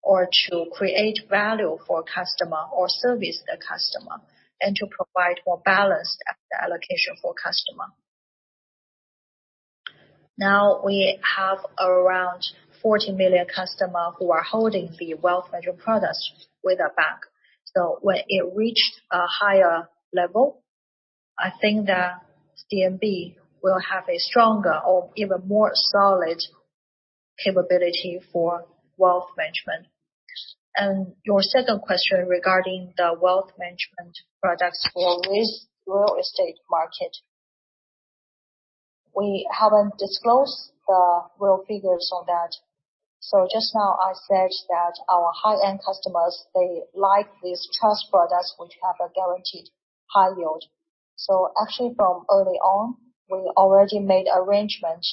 to improve or to create value for customer or service the customer and to provide more balanced asset allocation for customer. Now, we have around 40 million customer who are holding the wealth management products with our bank. So when it reached a higher level, I think that CMB will have a stronger or even more solid capability for wealth management. Your second question regarding the wealth management products for real estate market. We haven't disclosed the real figures on that. So just now, I said that our high-end customers, they like these trust products which have a guaranteed high yield. So actually from early on, we already made arrangement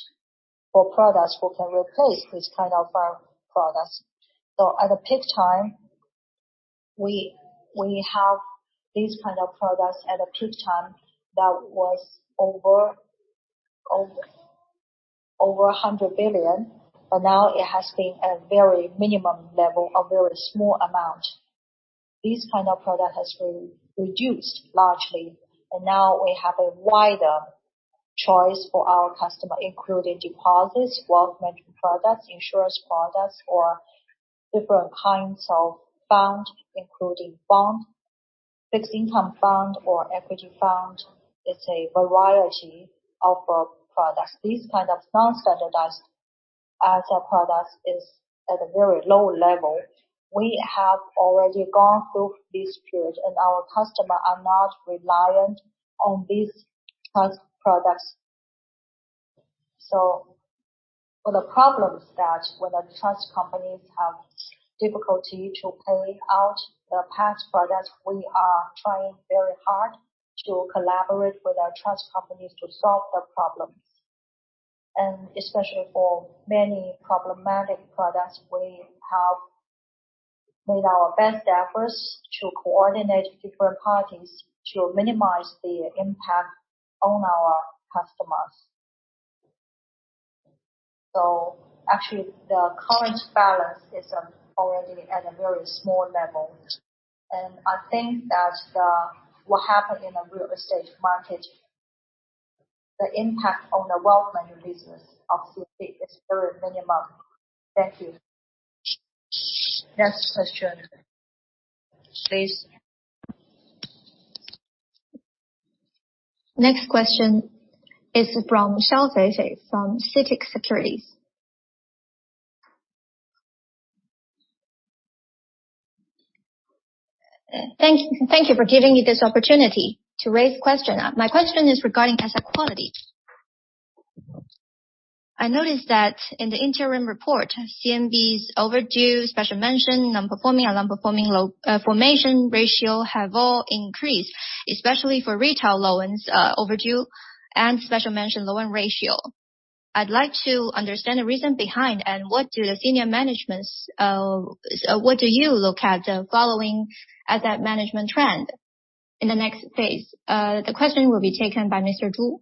for products who can replace this kind of our products. At the peak time, we have these kinds of products at a peak time that was over 100 billion. Now it has been at a very minimum level, a very small amount. This kind of product has been reduced largely, and now we have a wider choice for our customers, including deposits, wealth management products, insurance products or different kinds of funds, including bonds. Fixed income funds or equity funds are a variety of our products. These kinds of non-standardized asset products are at a very low level. We have already gone through this period, and our customers are not reliant on these trust products. For the problems that when the trust companies have difficulty to pay out the past products, we are trying very hard to collaborate with our trust companies to solve the problems. Especially for many problematic products, we have made our best efforts to coordinate different parties to minimize the impact on our customers. Actually, the current balance is already at a very small level. I think that what happened in the real estate market. The impact on the wealth management business of CITIC is very minimal. Thank you. Next question, please. Next question is from Feifei Xiao from CITIC Securities. Thank you for giving me this opportunity to raise question. My question is regarding asset quality. I noticed that in the interim report, CMB's overdue, special mention, non-performing, and non-performing loan formation ratio have all increased, especially for retail loans, overdue and special mention loan ratio. I'd like to understand the reason behind and what do you look at following asset quality trend in the next phase. The question will be taken by Mr. Zhu.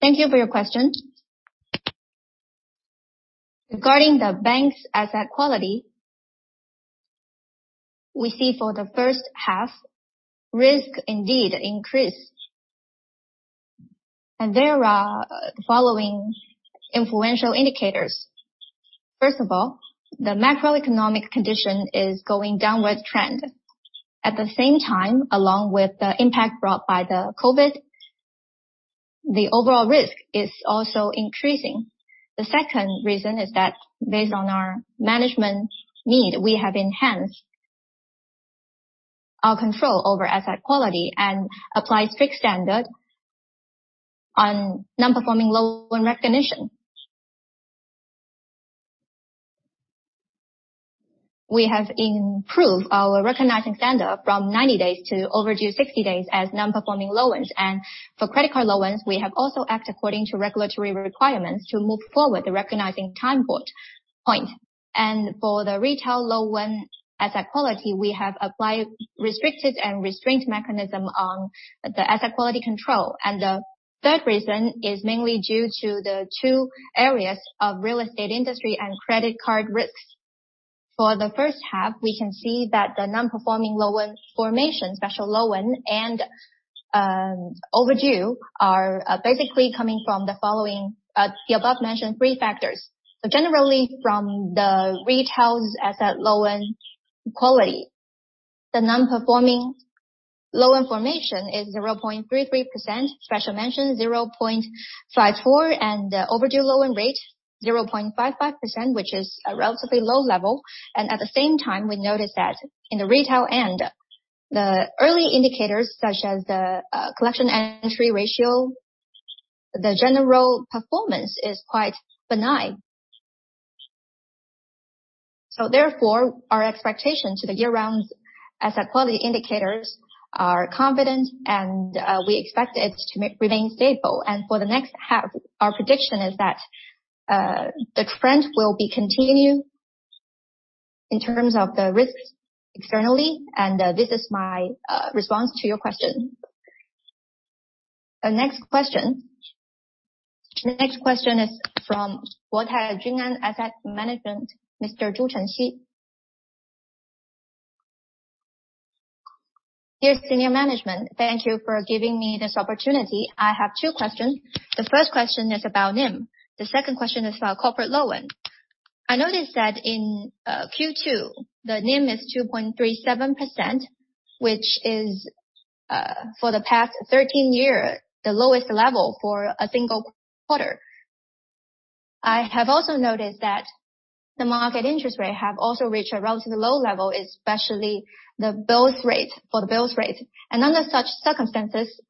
Thank you for your question. Regarding the bank's asset quality, we see for the H1, risk indeed increased. There are following influential indicators. First of all, the macroeconomic condition is going downward trend. At the same time, along with the impact brought by the COVID-19, the overall risk is also increasing. The second reason is that based on our management need, we have enhanced our control over asset quality and applied strict standard on non-performing loan recognition. We have improved our recognizing standard from 90 days to overdue 60 days as non-performing loans. For credit card loans, we have also act according to regulatory requirements to move forward the recognizing time point. For the retail loan asset quality, we have applied restricted and restraint mechanism on the asset quality control. The third reason is mainly due to the two areas of real estate industry and credit card risks. For the H1, we can see that the non-performing loan formation, special loan, and overdue are basically coming from the following, the above-mentioned three factors. Generally, from the retail's asset loan quality, the non-performing loan formation is 0.33%, special mention 0.54%, and overdue loan rate 0.55%, which is a relatively low level. At the same time, we noticed that in the retail end, the early indicators such as the collection entry ratio, the general performance is quite benign. Therefore, our expectation to the year-round asset quality indicators are confident and we expect it to remain stable. For the next half, our prediction is that the trend will be continued in terms of the risks externally, and this is my response to your question. The next question. The next question is from Guotai Junan Asset Management, Mr. Zhu Chenxi. Dear senior management, thank you for giving me this opportunity. I have two questions. The first question is about NIM. The second question is about corporate loan. I noticed that in Q2, the NIM is 2.37%, which is for the past 13 years, the lowest level for a single quarter. I have also noticed that the market interest rate have also reached a relatively low level, especially the bills rate. Under such circumstances,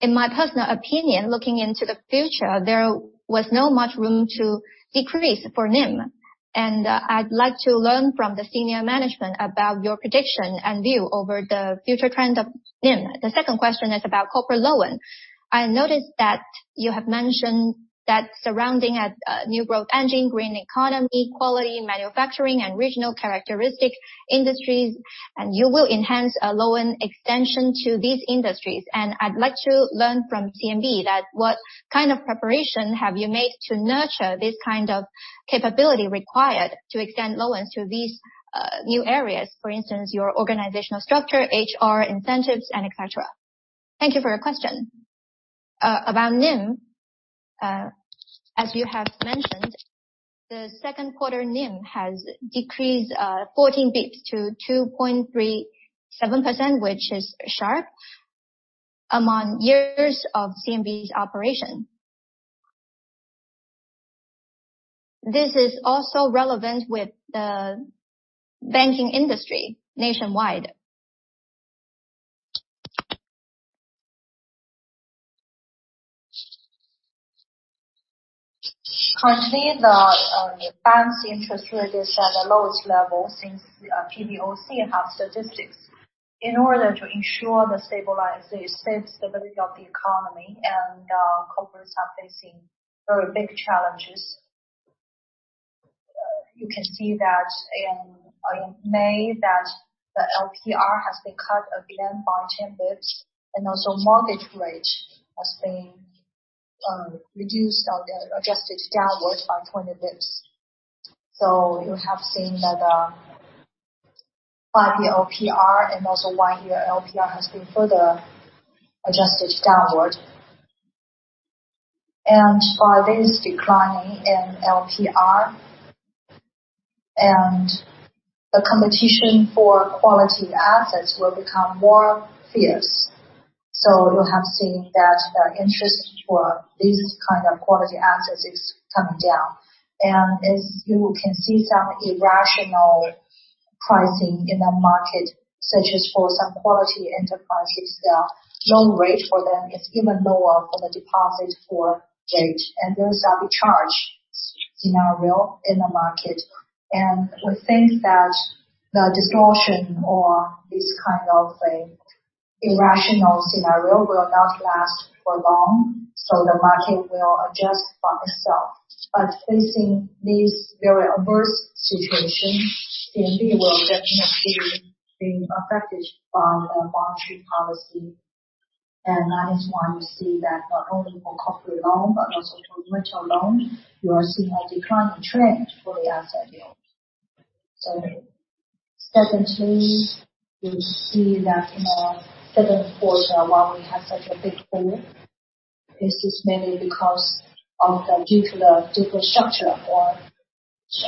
in my personal opinion, looking into the future, there was not much room to decrease for NIM. I'd like to learn from the senior management about your prediction and view over the future trend of NIM. The second question is about corporate loan. I noticed that you have mentioned that surrounding a new growth engine, green economy, quality manufacturing and regional characteristic industries, and you will enhance a loan extension to these industries. I'd like to learn from CMB that what kind of preparation have you made to nurture this kind of capability required to extend loans to these new areas, for instance, your organizational structure, HR incentives and et cetera. Thank you for your question. About NIM, as you have mentioned, the second quarter NIM has decreased 14 basis points to 2.37%, which is the sharpest in years of CMB's operation. This is also relevant with the banking industry nationwide. Currently, banks' interest rate is at the lowest level since PBOC have statistics. In order to ensure the stability, safe stability of the economy and corporates are facing very big challenges. You can see that in May that the LPR has been cut again by 10 basis points and also mortgage rate has been reduced or adjusted downwards by 20 basis points. You have seen that. 5-year LPR and also 1-year LPR has been further adjusted downward. By this declining in LPR and the competition for quality assets will become more fierce. You have seen that the interest for these kind of quality assets is coming down. As you can see some irrational pricing in the market, such as for some quality enterprises, the loan rate for them is even lower than the deposit rate, and there is an arbitrage scenario in the market. We think that the distortion or this kind of a irrational scenario will not last for long. The market will adjust by itself. Facing this very adverse situation, CMB will definitely be affected by the monetary policy. That is why you see that not only for corporate loan, but also for retail loan, you are seeing a declining trend for the asset yield. Secondly, you see that in the second quarter, why we have such a big pull. This is mainly because of the particular different structure or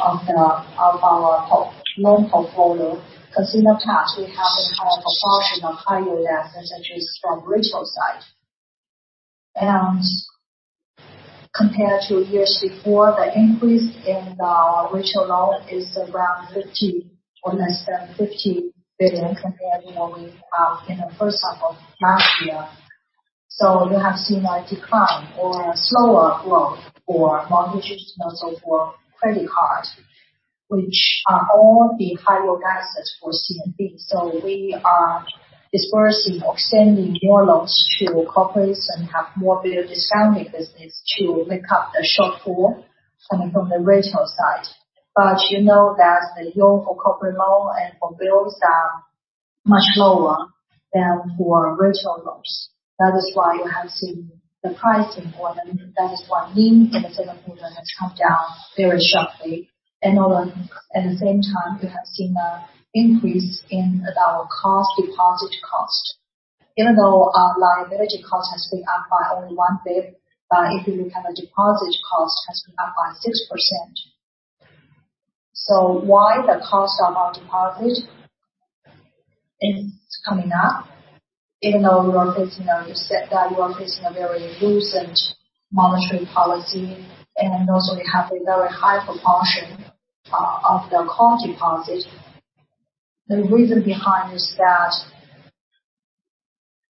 of the, of our loan portfolio. Consider that we have a higher proportion of higher yield assets, such as from retail side. Compared to years before, the increase in the retail loan is around 50 or less than 50 billion compared, you know, with, in the H1 of last year. You have seen a decline or a slower growth for mortgages and also for credit card, which are all the higher yield assets for CMB. We are dispersing or extending more loans to corporates and have more bill discounting business to make up the shortfall coming from the retail side. You know that the yield for corporate loan and for bills are much lower than for retail loans. That is why you have seen the pricing for them. That is why NIM in the second quarter has come down very sharply. At the same time, we have seen an increase in our cost, deposit cost. Even though our liability cost has been up by only one bp, but if you look at the deposit cost has been up by 6%. Why the cost of our deposit is coming up, even though we are facing, as you said, a very loose monetary policy, and also we have a very high proportion of the core deposit. The reason behind is that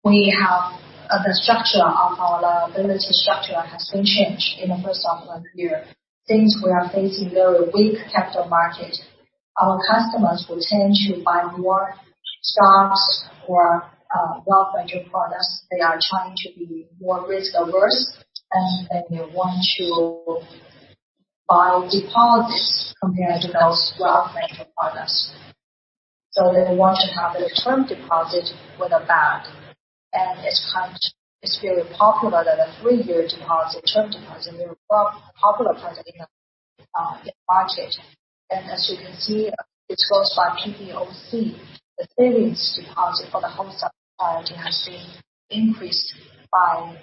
we have the structure of our liability structure has been changed in the H1 of the year. Since we are facing very weak capital market, our customers will tend to buy more stocks or wealth management products. They are trying to be more risk-averse, and they want to buy deposits compared to those wealth management products. They want to have a term deposit with a bank, and it's very popular that the three-year deposit, term deposit, they were popular product in the market. As you can see, disclosed by PBOC, the savings deposit for the household priority has been increased by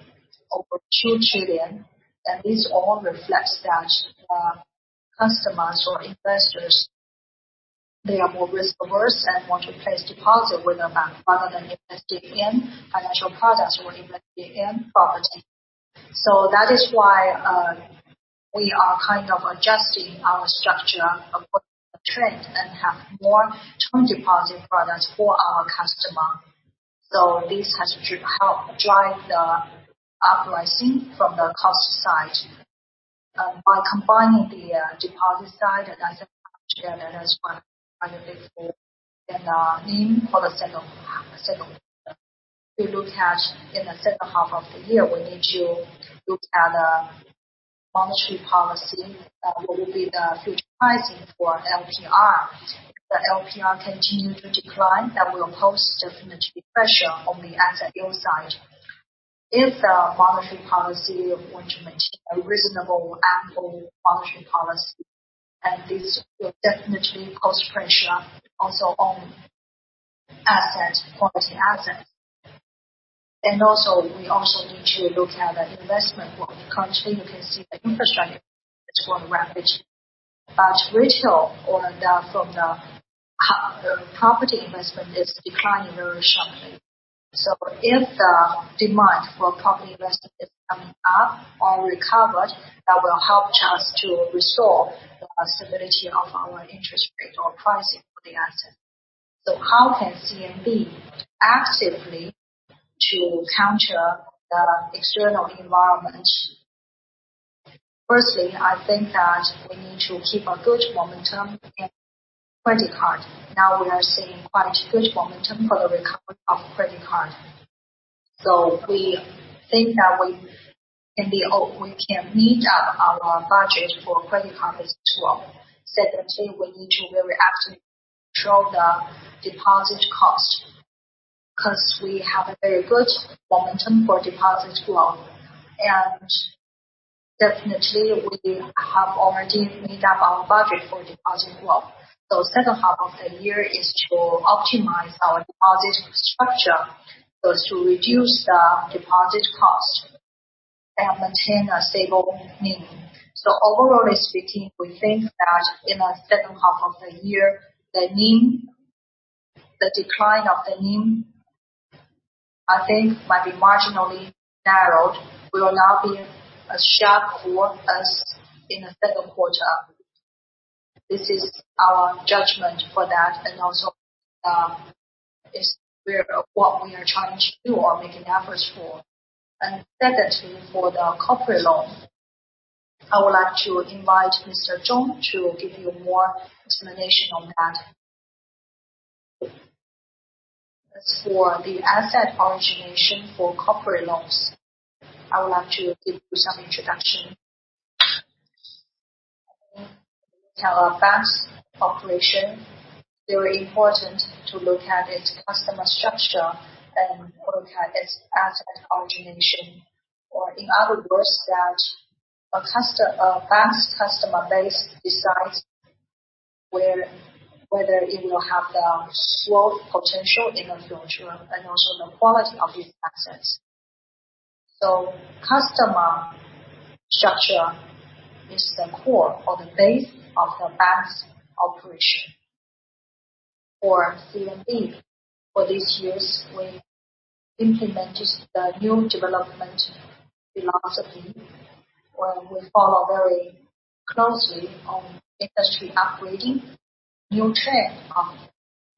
over 2 trillion. This all reflects that customers or investors, they are more risk-averse and want to place deposit with the bank rather than investing in financial products or investing in property. That is why we are kind of adjusting our structure according to the trend and have more term deposit products for our customer. This has to help drive the upside from the cost side. By combining the deposit side and asset liability side, that is why we have this in NIM for the second quarter. If you look at the H2 of the year, we need to look at monetary policy. What will be the future pricing for LPR? If the LPR continue to decline, that will pose definitely pressure on the asset yield side. If the monetary policy is going to maintain a reasonable ample monetary policy, and this will definitely cause pressure also on assets, quality assets. We also need to look at the investment world. Currently, you can see the infrastructure is growing rapidly, but retail or the property investment is declining very sharply. If the demand for property investment is coming up or recovered, that will help us to restore the stability of our interest rate or pricing for the asset. How can CMB actively to counter the external environment? Firstly, I think that we need to keep a good momentum in credit card. Now we are seeing quite good momentum for the recovery of credit card. We think that we can be, or we can meet our budget for credit card as well. Secondly, we need to very actively control the deposit cost. 'Cause we have a very good momentum for deposit growth. Definitely, we have already made up our budget for deposit growth. H2 of the year is to optimize our deposit structure, so as to reduce the deposit cost and maintain a stable NIM. Overall speaking, we think that in the H2 of the year, the NIM, the decline of the NIM, I think might be marginally narrowed, will not be as sharp for us in the second quarter. This is our judgment for that and also is what we are trying to do or making efforts for. Secondly, for the corporate loan, I would like to invite Mr. Zhong to give you more explanation on that. As for the asset origination for corporate loans, I would like to give you some introduction. Have a vast population, very important to look at its customer structure and look at its asset origination. In other words, that a vast customer base decides where it will have the growth potential in the future, and also the quality of its assets. Customer structure is the core or the base of the bank's operation. For CMB, for these years, we implemented the new development philosophy, where we follow very closely on industry upgrading, new trend of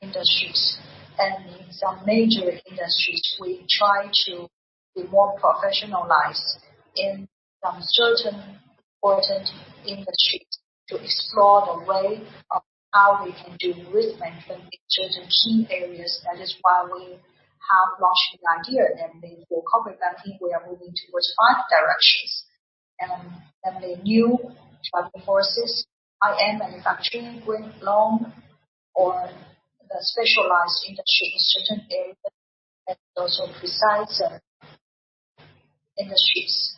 industries. In some major industries, we try to be more professionalized in some certain important industries to explore the way of how we can do risk management in certain key areas. That is why we have launched the idea. For COVID-19, we are moving towards five directions and the new driving forces, intelligent manufacturing with loan or the specialized industry in certain areas, and also precise industries.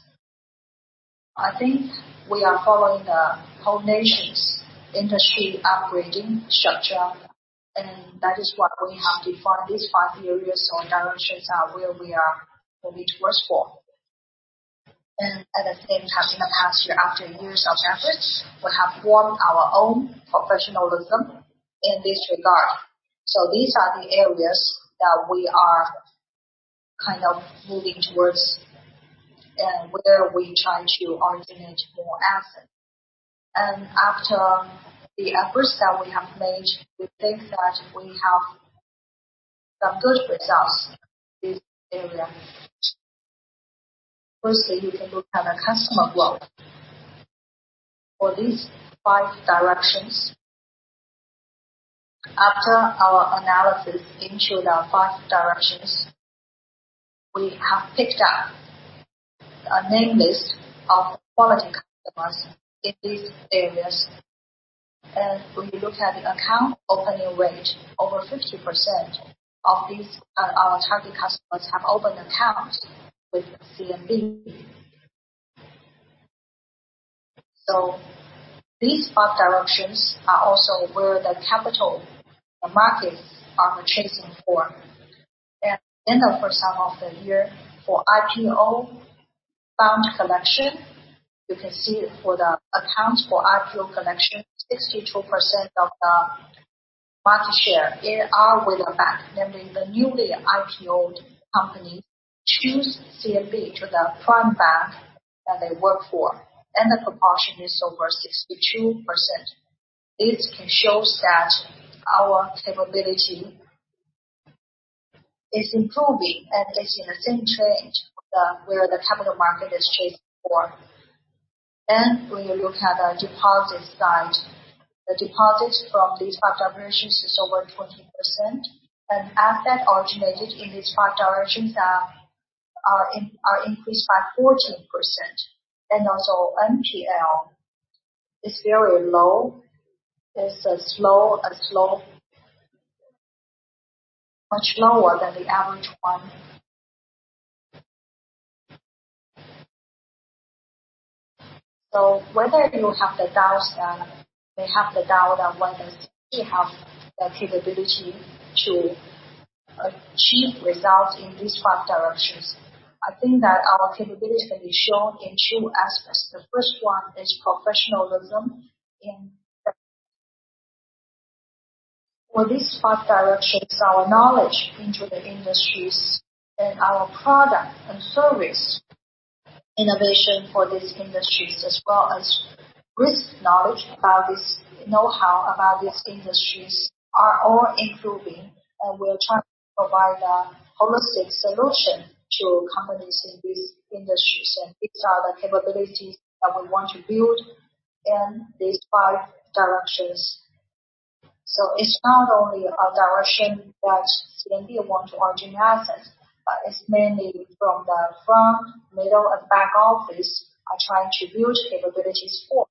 I think we are following the whole nation's industry upgrading structure, and that is why we have defined these five areas or directions are where we are moving towards for. At the same time, in the past year, after years of efforts, we have formed our own professionalism in this regard. These are the areas that we are kind of moving towards and where we try to originate more assets. After the efforts that we have made, we think that we have some good results in this area. Firstly, you can look at the customer growth. For these five directions, after our analysis into the five directions, we have picked up a name list of quality customers in these areas. When you look at the account opening rate, over 50% of these, our target customers have opened accounts with CMB. These five directions are also where the capital markets are chasing for. At the end of H1 of the year, for IPO fund collection, you can see for the accounts for IPO collection, 62% of the market share, they are with the bank, namely the newly IPO company choose CMB to the prime bank that they work for. The proportion is over 62%. It can show that our capability is improving and is in the same trend with where the capital market is chasing for. When you look at the deposit side, the deposit from these five directions is over 20%. Asset originated in these five directions are increased by 14%. Also NPL is very low. It's as low as low. Much lower than the average one. Whether you have the doubts that. may have the doubt on whether we have the capability to achieve results in these five directions. I think that our capabilities can be shown in two aspects. The first one is professionalism. For these five directions, our knowledge into the industries and our product and service innovation for these industries as well as know-how about these industries are all improving. We're trying to provide a holistic solution to companies in these industries. These are the capabilities that we want to build in these five directions. It's not only a direction that CMB want to originate assets, but it's mainly from the front, middle, and back office are trying to build capabilities for.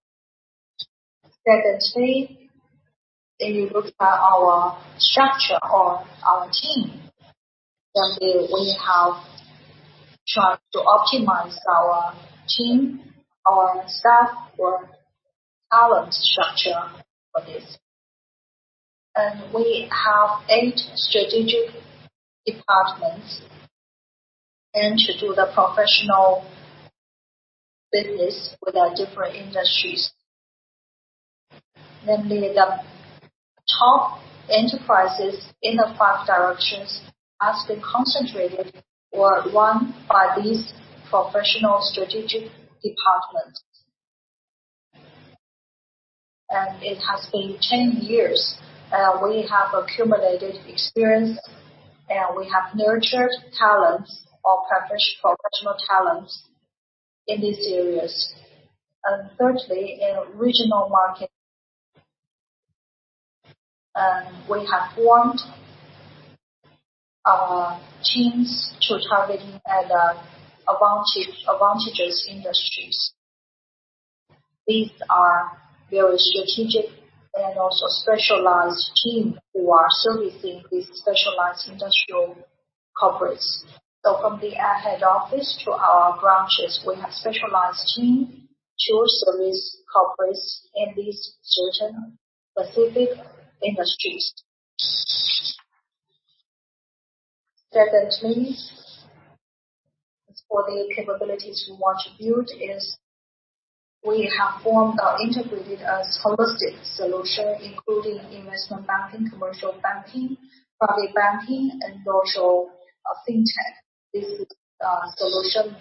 Secondly, if you look at our structure of our team, we have tried to optimize our team, our staff or talent structure for this. We have 8 strategic departments to do the professional business with our different industries. Namely the top enterprises in the five directions has been concentrated or run by these professional strategic departments. It has been 10 years, we have accumulated experience, and we have nurtured talents or professional talents in these areas. Thirdly, in regional market. We have formed our teams to targeting at the advantage, advantageous industries. These are very strategic and also specialized team who are servicing these specialized industrial corporates. From the head office to our branches, we have specialized team to service corporates in these certain specific industries. Secondly, as for the capabilities we want to build is we have formed or integrated a holistic solution, including investment banking, commercial banking, public banking and also, fintech. This is the solution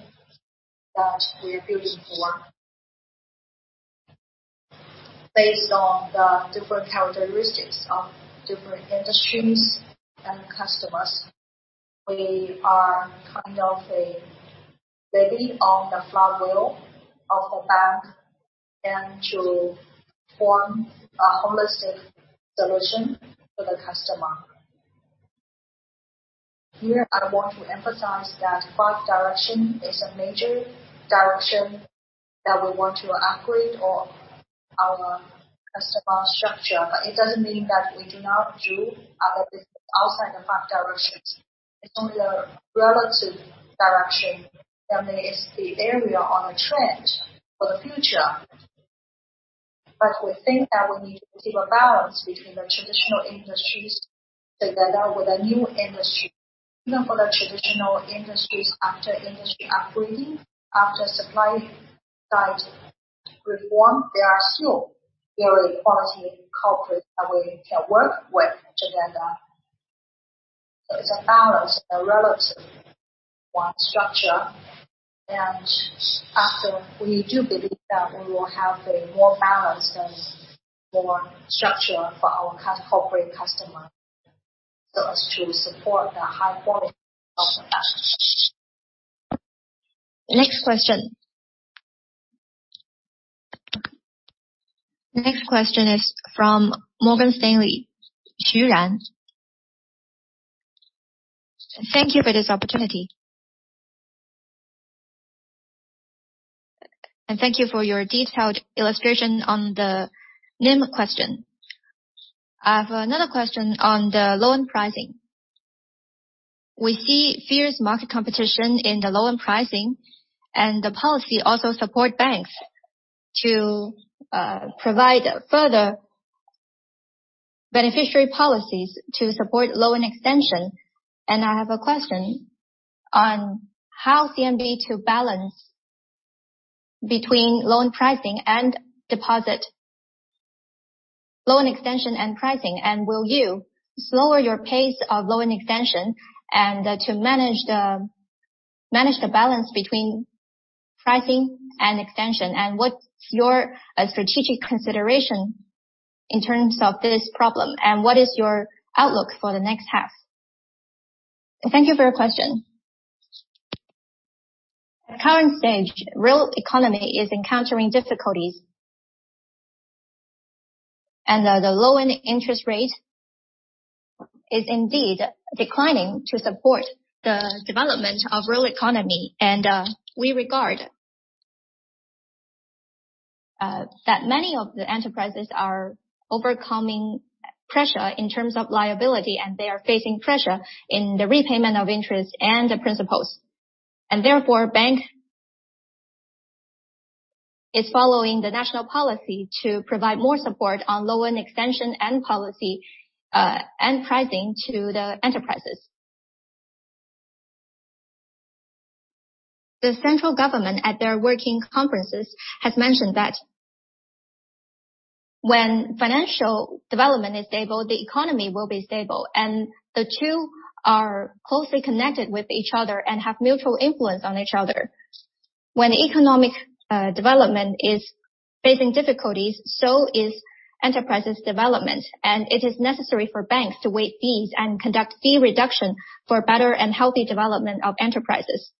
that we are building for. Based on the different characteristics of different industries and customers. We are kind of a hub on the flywheel of a bank, and to form a holistic solution for the customer. Here I want to emphasize that five directions is a major direction that we want to upgrade of our customer structure. It doesn't mean that we do not do other business outside the five directions. It's only the relative direction, namely is the area on a trend for the future. We think that we need to keep a balance between the traditional industries together with the new industry. Even for the traditional industries after industry upgrading, after supply-side reform, they are still very high-quality corporates that we can work with together. It's a balance, a relative customer structure. After we do believe that we will have a more balanced and more structured for our corporate customer, so as to support the high quality of the bank. Next question. Next question is from Morgan Stanley, Richard Xu. Thank you for this opportunity. Thank you for your detailed illustration on the NIM question. I have another question on the loan pricing. We see fierce market competition in the loan pricing and the policy also support banks to provide further beneficiary policies to support loan extension. I have a question on how CMB to balance between loan pricing and loan extension and pricing, and will you slower your pace of loan extension and to manage the balance between pricing and extension, and what's your strategic consideration in terms of this problem, and what is your outlook for the next half? Thank you for your question. At current stage, real economy is encountering difficulties. The loan interest rate is indeed declining to support the development of real economy. We regard that many of the enterprises are overcoming pressure in terms of liability, and they are facing pressure in the repayment of interest and the principals. Therefore, bank is following the national policy to provide more support on loan extension and policy, and pricing to the enterprises. The central government at their working conferences has mentioned that when financial development is stable, the economy will be stable, and the two are closely connected with each other and have mutual influence on each other. When economic development is facing difficulties, so is enterprises development, and it is necessary for banks to waive fees and conduct fee reduction for better and healthy development of enterprises.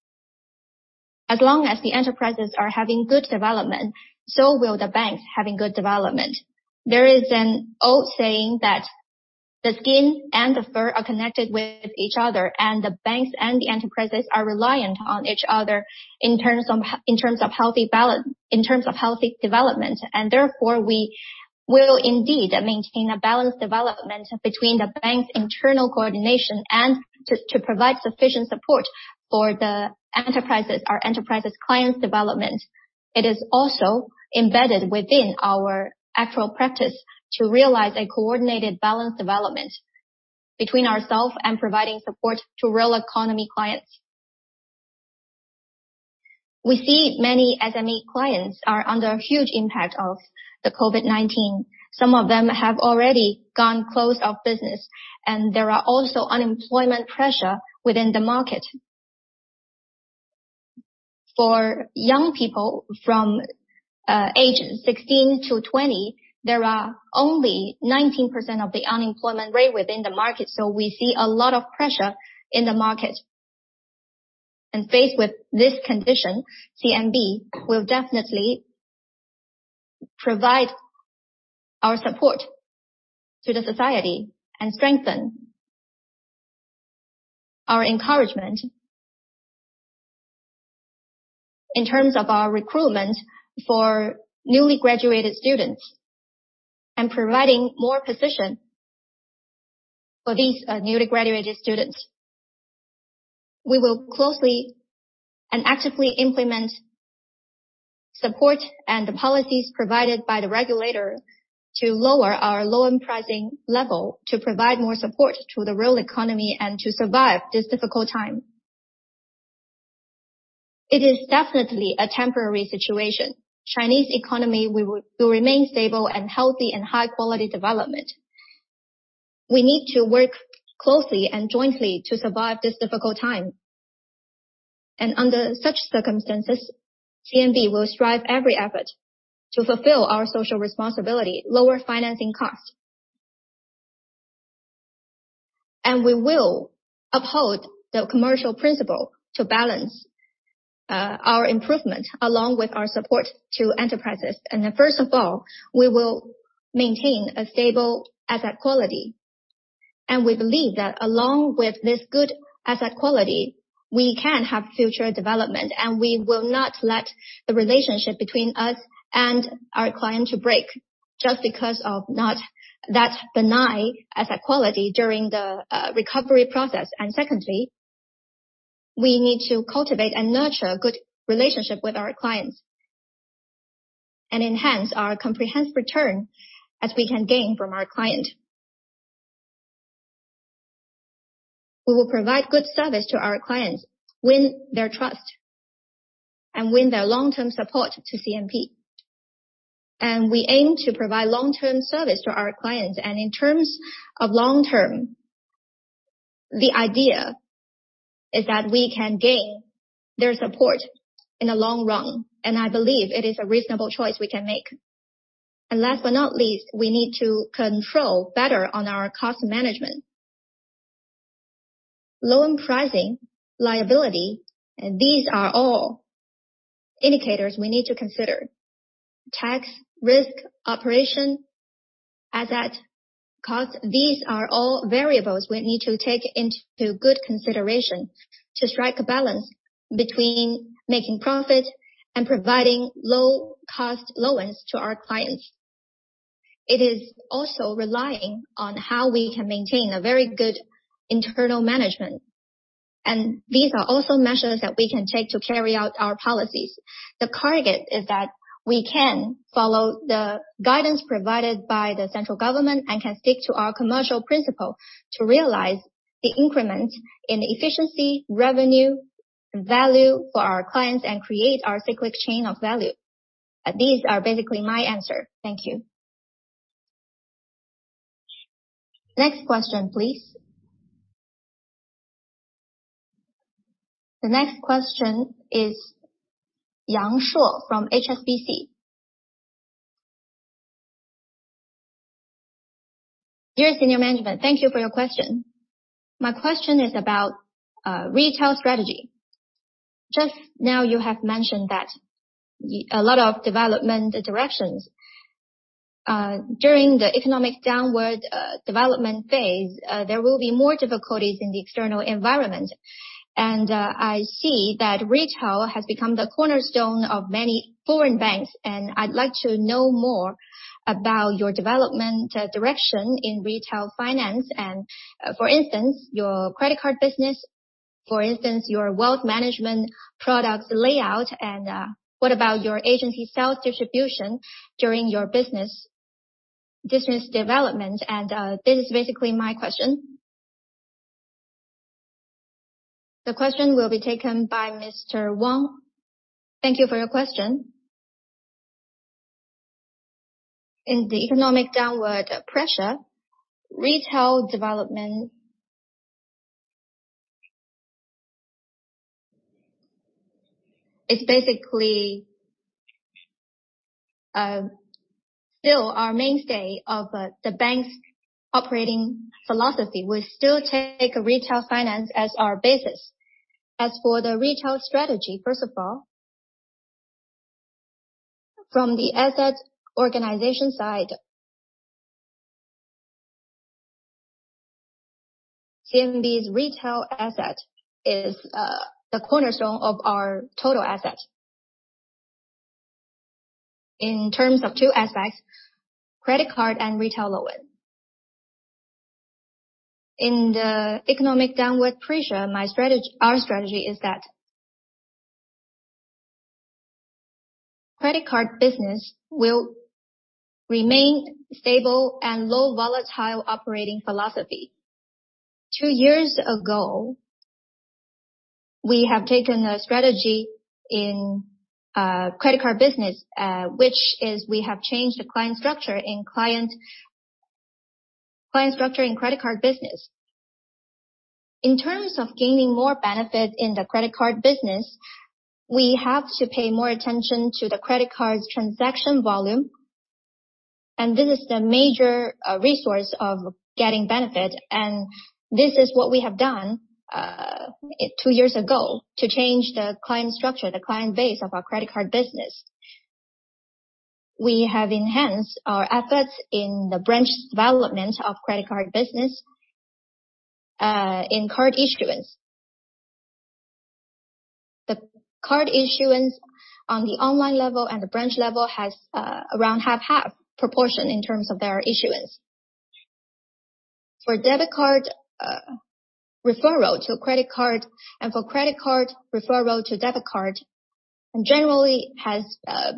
As long as the enterprises are having good development, so will the banks having good development. There is an old saying that. The skin and the fur are connected with each other, and the banks and the enterprises are reliant on each other in terms of healthy development. Therefore, we will indeed maintain a balanced development between the bank's internal coordination and to provide sufficient support for the enterprises or enterprise clients development. It is also embedded within our actual practice to realize a coordinated balanced development between ourselves and providing support to real economy clients. We see many SME clients are under huge impact of the COVID-19. Some of them have already gone out of business, and there are also unemployment pressure within the market. For young people from ages 16 to 20, there are only 19% of the unemployment rate within the market. We see a lot of pressure in the market. Faced with this condition, CMB will definitely provide our support to the society and strengthen our encouragement in terms of our recruitment for newly graduated students and providing more position for these newly graduated students. We will closely and actively implement support and the policies provided by the regulator to lower our loan pricing level, to provide more support to the real economy and to survive this difficult time. It is definitely a temporary situation. Chinese economy will remain stable and healthy and high quality development. We need to work closely and jointly to survive this difficult time. Under such circumstances, CMB will strive every effort to fulfill our social responsibility, lower financing costs. We will uphold the commercial principle to balance our improvement along with our support to enterprises. First of all, we will maintain a stable asset quality. We believe that along with this good asset quality, we can have future development, and we will not let the relationship between us and our client break just because of not that benign asset quality during the recovery process. Secondly, we need to cultivate and nurture good relationship with our clients and enhance our comprehensive return as we can gain from our client. We will provide good service to our clients, win their trust and win their long-term support to CMB. We aim to provide long-term service to our clients. In terms of long-term, the idea is that we can gain their support in the long run, and I believe it is a reasonable choice we can make. Last but not least, we need to control better on our cost management. Loan pricing, liability, these are all indicators we need to consider. Tax, risk, operation, asset, cost, these are all variables we need to take into good consideration to strike a balance between making profit and providing low cost loans to our clients. It is also relying on how we can maintain a very good internal management. These are also measures that we can take to carry out our policies. The target is that we can follow the guidance provided by the central government and can stick to our commercial principle to realize the increment in efficiency, revenue, value for our clients and create our cyclic chain of value. These are basically my answer. Thank you. Next question, please. The next question is Yang Shuo from HSBC. Dear senior management, thank you for your question. My question is about retail strategy. Just now you have mentioned that a lot of development directions. During the economic downward development phase, there will be more difficulties in the external environment. I see that retail has become the cornerstone of many foreign banks, and I'd like to know more about your development direction in retail finance and, for instance, your credit card business. For instance, your wealth management product layout and what about your agency sales distribution during your business development? This is basically my question. The question will be taken by Mr. Wang. Thank you for your question. In the economic downward pressure, retail development is basically still our mainstay of the bank's operating philosophy. We still take retail finance as our basis. As for the retail strategy, first of all, from the asset organization side, CMB's retail asset is the cornerstone of our total asset. In terms of two aspects, credit card and retail loan. In the economic downward pressure, our strategy is that credit card business will remain stable and low volatile operating philosophy. Two years ago, we have taken a strategy in credit card business, which is we have changed the client structure in credit card business. In terms of gaining more benefit in the credit card business, we have to pay more attention to the credit card's transaction volume, and this is the major source of getting benefit. This is what we have done two years ago to change the client structure, the client base of our credit card business. We have enhanced our efforts in the branch development of credit card business in card issuance. The card issuance on the online level and the branch level has around half-half proportion in terms of their issuance. For debit card, referral to credit card and for credit card referral to debit card generally has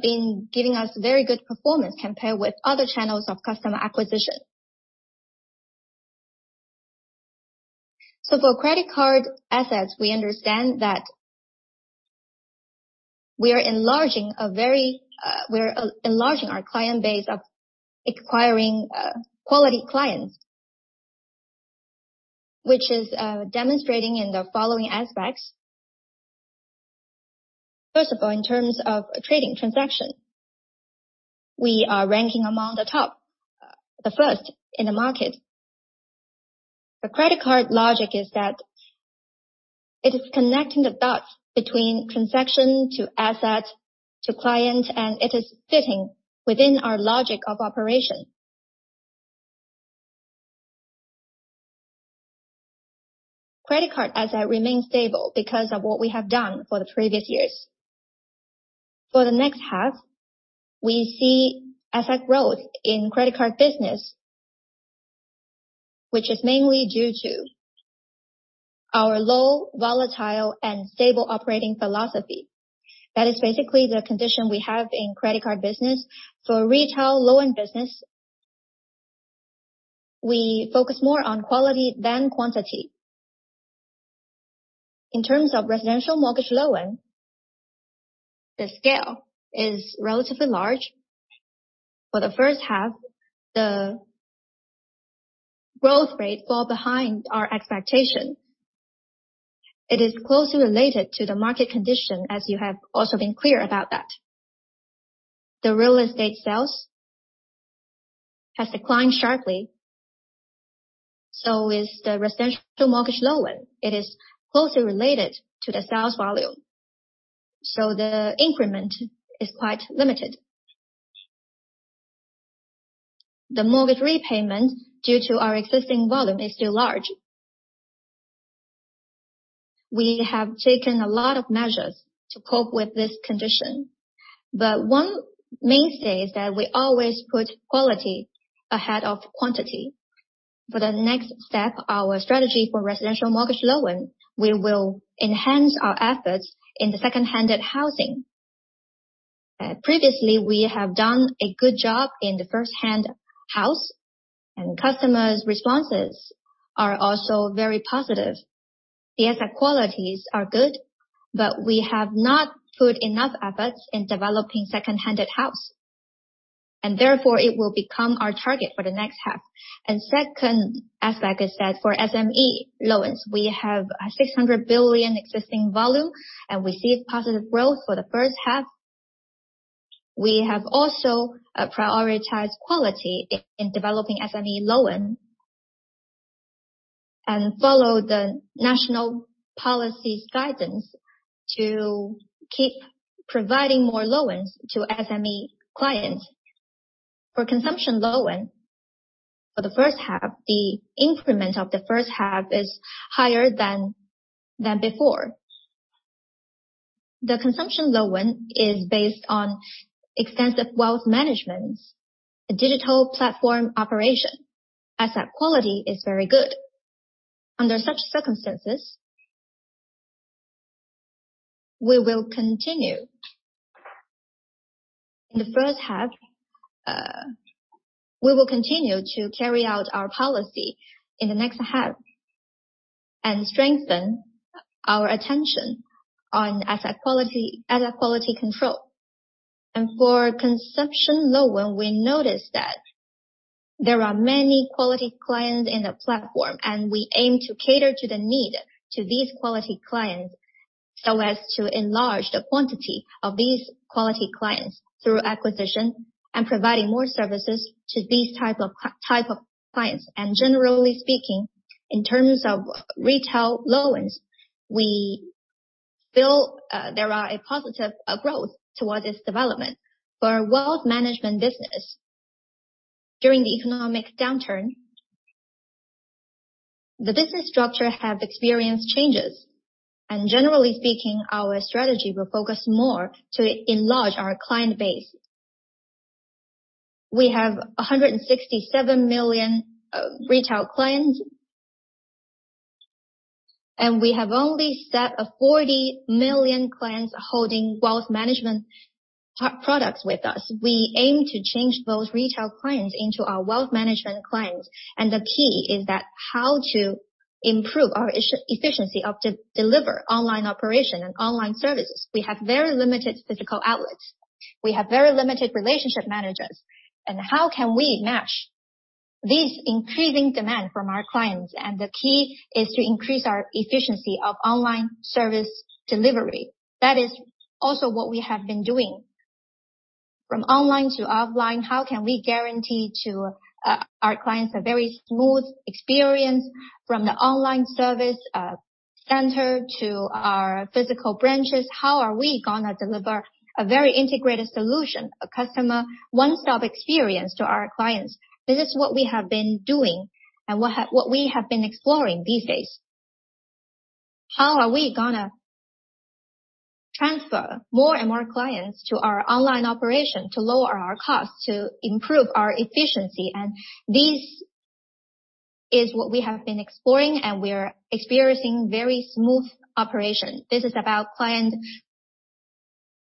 been giving us very good performance compared with other channels of customer acquisition. For credit card assets, we understand that we are enlarging our client base of acquiring quality clients, which is demonstrating in the following aspects. First of all, in terms of trading transaction, we are ranking among the top, the first in the market. The credit card logic is that it is connecting the dots between transaction to asset to client, and it is fitting within our logic of operation. Credit card asset remains stable because of what we have done for the previous years. For the next half, we see asset growth in credit card business, which is mainly due to our low volatile and stable operating philosophy. That is basically the condition we have in credit card business. For retail loan business, we focus more on quality than quantity. In terms of residential mortgage loan, the scale is relatively large. For the H1, the growth rate fell behind our expectation. It is closely related to the market condition, as you have also been clear about that. The real estate sales has declined sharply, so is the residential mortgage loan. It is closely related to the sales volume, so the increment is quite limited. The mortgage repayment due to our existing volume is still large. We have taken a lot of measures to cope with this condition, but one main thing is that we always put quality ahead of quantity. For the next step, our strategy for residential mortgage loan, we will enhance our efforts in the second-hand housing. Previously, we have done a good job in the first-hand housing, and customers' responses are also very positive. The asset qualities are good, but we have not put enough efforts in developing second-hand housing and therefore it will become our target for the next half. Second, as I said, for SME loans, we have 600 billion existing volume and we see positive growth for the H1. We have also prioritized quality in developing SME loan and follow the national policy guidance to keep providing more loans to SME clients. For consumption loan, for the H1, the increment of the H1 is higher than before. The consumption loan is based on extensive wealth management, digital platform operation. Asset quality is very good. Under such circumstances, we will continue. In the H1, we will continue to carry out our policy in the next half and strengthen our attention on asset quality control. For consumer loan, we noticed that there are many quality clients in the platform, and we aim to cater to the needs of these quality clients so as to enlarge the quantity of these quality clients through acquisition and providing more services to this type of clients. Generally speaking, in terms of retail loans, we feel there is a positive growth towards this development. For wealth management business, during the economic downturn, the business structure have experienced changes. Generally speaking, our strategy will focus more to enlarge our client base. We have 167 million retail clients. We have a set of 40 million clients holding wealth management products with us. We aim to change those retail clients into our wealth management clients. The key is how to improve our efficiency of delivering online operation and online services. We have very limited physical outlets. We have very limited relationship managers. How can we match these increasing demand from our clients? The key is to increase our efficiency of online service delivery. That is also what we have been doing. From online to offline, how can we guarantee to our clients a very smooth experience from the online service center to our physical branches? How are we gonna deliver a very integrated solution, a customer one-stop experience to our clients? This is what we have been doing and what we have been exploring these days. How are we gonna transfer more and more clients to our online operation to lower our costs, to improve our efficiency? This is what we have been exploring, and we are experiencing very smooth operation. This is about clients.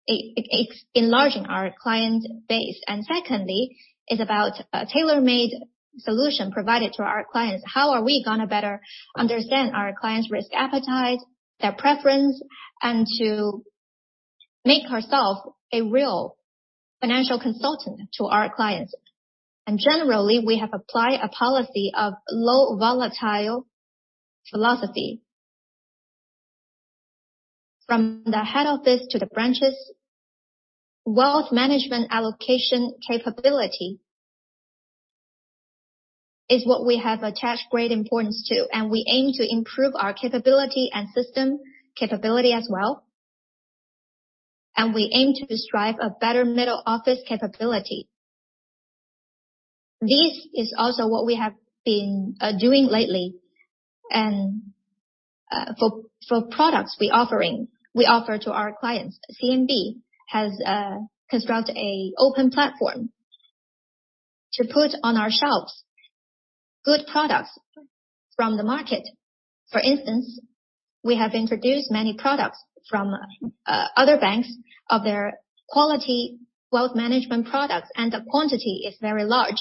It's enlarging our client base. Secondly, it's about a tailor-made solution provided to our clients. How are we gonna better understand our clients' risk appetite, their preference, and to make ourself a real financial consultant to our clients? Generally, we have applied a policy of low volatility philosophy. From the head office to the branches, wealth management allocation capability is what we have attached great importance to, and we aim to improve our capability and system capability as well. We aim to strive for a better middle office capability. This is also what we have been doing lately. For products we're offering... We offer to our clients. CMB has construct a open platform to put on our shelves good products from the market. For instance, we have introduced many products from other banks of their quality wealth management products, and the quantity is very large.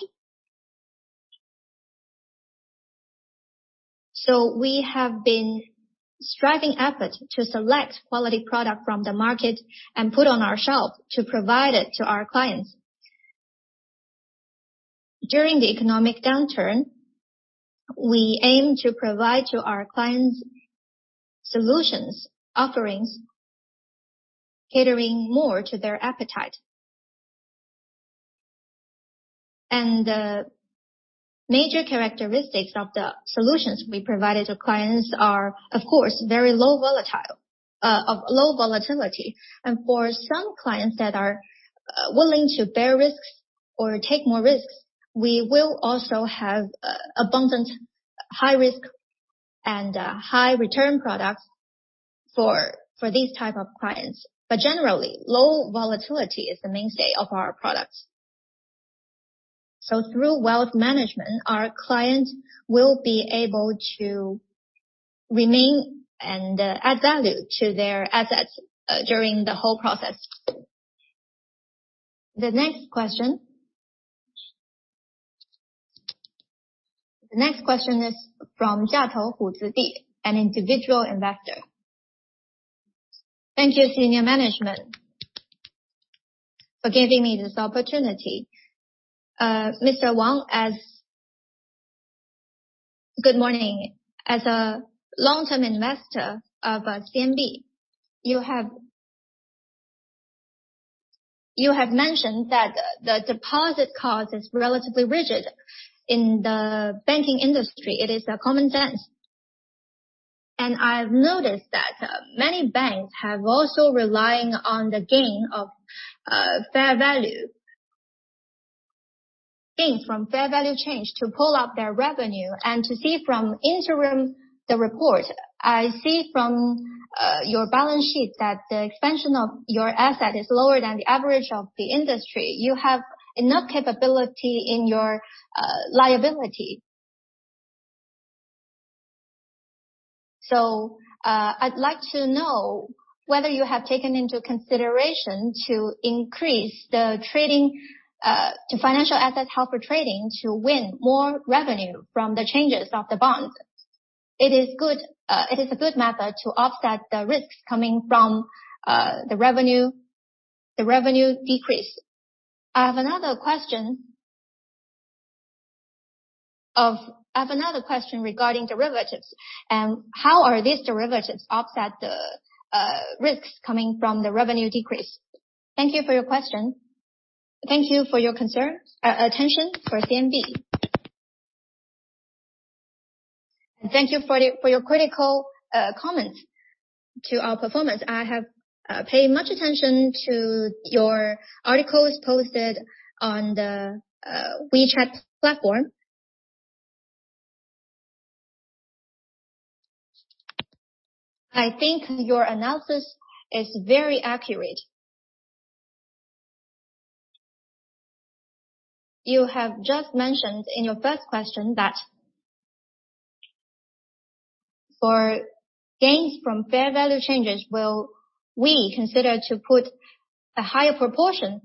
We have been striving effort to select quality product from the market and put on our shelf to provide it to our clients. During the economic downturn, we aim to provide to our clients solutions, offerings, catering more to their appetite. Major characteristics of the solutions we provide to clients are, of course, of low volatility. For some clients that are willing to bear risks or take more risks, we will also have abundant high risk and high return products for these type of clients. Generally, low volatility is the mainstay of our products. Through wealth management, our client will be able to remain and add value to their assets during the whole process. The next question is from Judy Zhang, an individual investor. Thank you, senior management, for giving me this opportunity. Good morning. As a long-term investor of CMB, you have mentioned that the deposit cost is relatively rigid in the banking industry. It is common sense. I've noticed that many banks have also relied on gains from fair value changes to pull up their revenue. From the interim report, I see from your balance sheet that the expansion of your assets is lower than the average of the industry. You have enough capability in your liability. I'd like to know whether you have taken into consideration to increase the trading to financial assets held for trading to win more revenue from the changes of the bonds. It is a good method to offset the risks coming from the revenue decrease. I have another question regarding derivatives and how are these derivatives offset the risks coming from the revenue decrease? Thank you for your question. Thank you for your concern, attention for CMB. Thank you for your critical comment to our performance. I have paid much attention to your articles posted on the WeChat platform. I think your analysis is very accurate. You have just mentioned in your first question that. For gains from fair value changes, will we consider to put a higher proportion?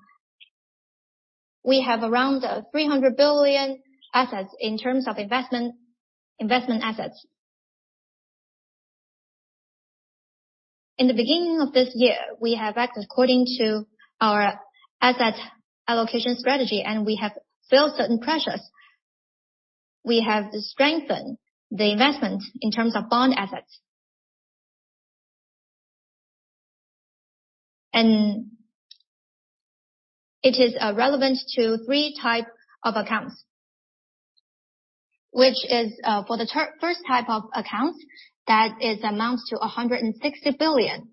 We have around 300 billion assets in terms of investment assets. In the beginning of this year, we have acted according to our asset allocation strategy, and we have felt certain pressures. We have strengthened the investment in terms of bond assets. It is relevant to three types of accounts. For the first type of accounts, that amounts to 160 billion.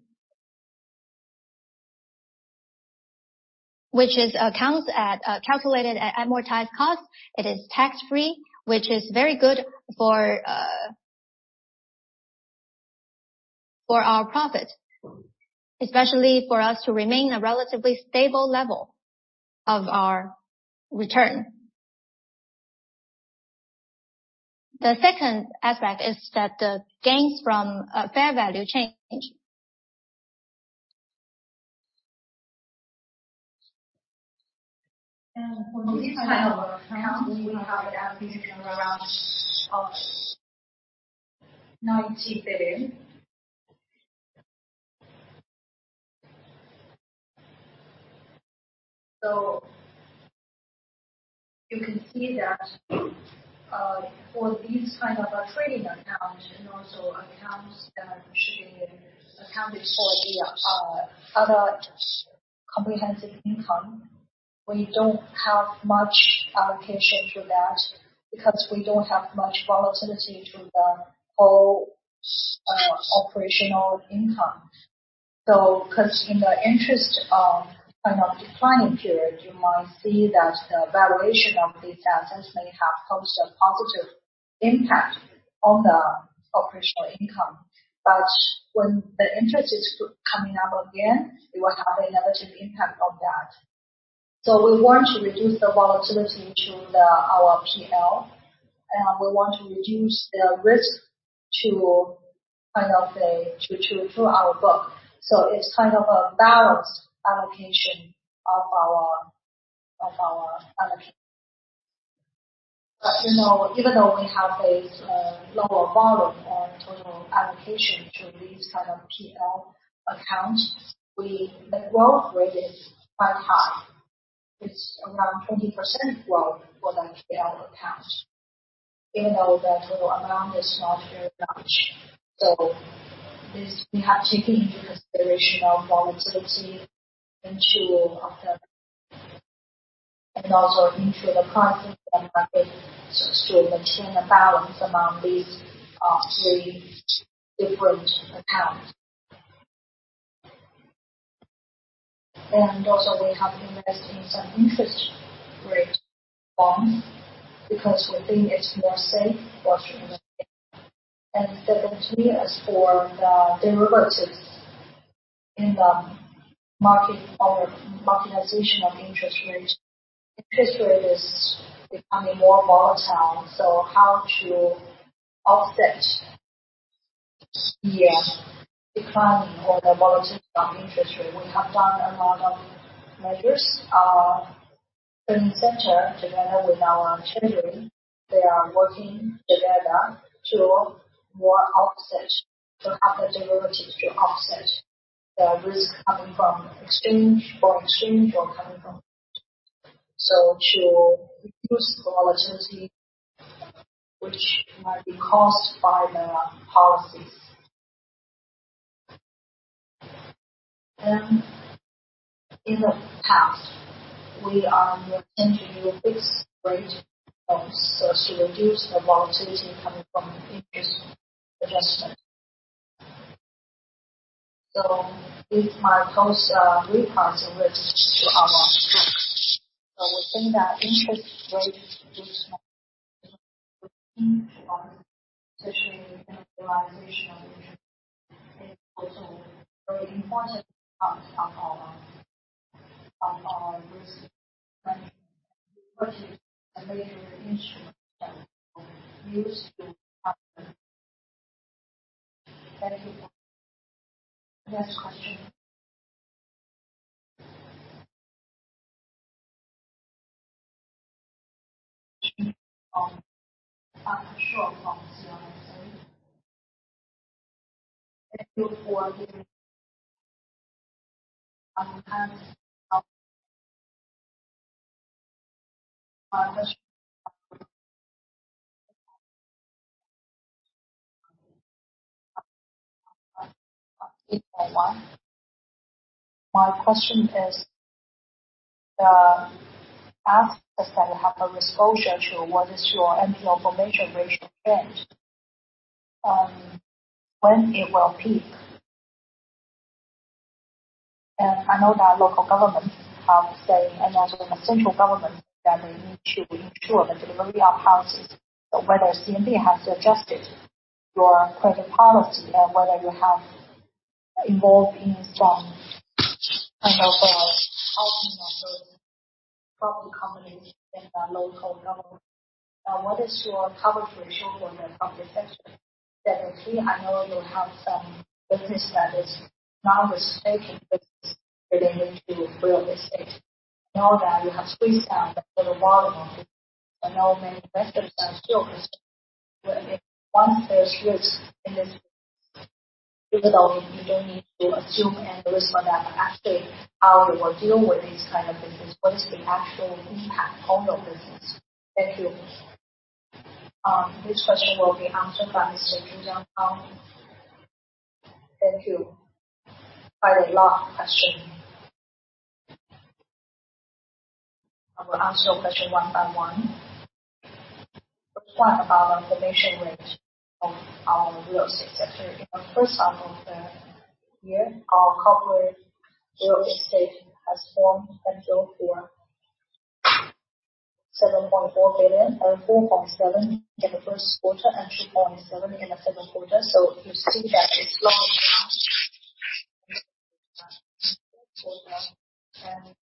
Which are accounts calculated at amortized costs. It is tax-free, which is very good for our profit, especially for us to remain a relatively stable level of our return. The second aspect is that the gains from a fair value change. For this kind of account, we have an allocation of around CNY 90 billion. You can see that for these kind of a trading account and also accounts that are usually accounted for the other comprehensive income, we don't have much allocation for that because we don't have much volatility to the whole operational income. 'Cause in the interest rate kind of declining period, you might see that the valuation of these assets may have caused a positive impact on the operational income. When the interest is coming up again, it will have a negative impact on that. We want to reduce the volatility to our PL, and we want to reduce the risk to our book. It's kind of a balanced allocation of our allocation. You know, even though we have a lower bottom and total allocation to these kind of PL accounts, the growth rate is quite high. It's around 20% growth for that PL account, even though the total amount is not very much. We have taken into consideration of volatility into account and also into the current market so as to maintain a balance among these three different accounts. Also we have invested in some interest rate bonds because we think it's more safe for China. Definitely as for the derivatives in the market or marketization of interest rates, interest rate is becoming more volatile, so how to offset the declining or the volatility from interest rate. We have done a lot of measures, trading center together with our treasury. They are working together to more offset, to have the derivatives to offset the risk coming from exchange or coming from. So to reduce the volatility which might be caused by the policies. In the past, we are looking to use fixed rate bonds so as to reduce the volatility coming from interest adjustment. So it might cause, repricing risk to our bonds. So we think that interest rate is more especially in the realization of interest rate. It's also a very important part of our risk management. We put it as a major instrument that we will use to cover. Thank you. Next question. On short bonds. Thank you for giving. That's my question is, the assets that have the exposure to what is your NPL formation ratio trend, when it will peak? I know that local governments say, and also the central government, that they need to ensure the delivery of houses. Whether CMB has adjusted your credit policy and whether you have involved in some kind of housing or property company in the local government. Now, what is your coverage ratio for the public sector? Secondly, I know you have some business that is non-risk-taking business related to real estate. I know that you have squeezed down the total bottom. I know many investors are still concerned. If one face risk in this business, even though you don't need to assume any risk for that, actually, how you will deal with this kind of business? What is the actual impact on your business? Thank you. This question will be answered by Mr. Zhu Jiangtao. Thank you. Quite a lot of question. I will answer your question one by one. First one, about the formation rate of our real estate sector. In the H1 of the year, our corporate real estate has formed potential for 7.4 billion, or 4.7 billion in the first quarter and 2.7 billion in the second quarter. So you see that it's low and still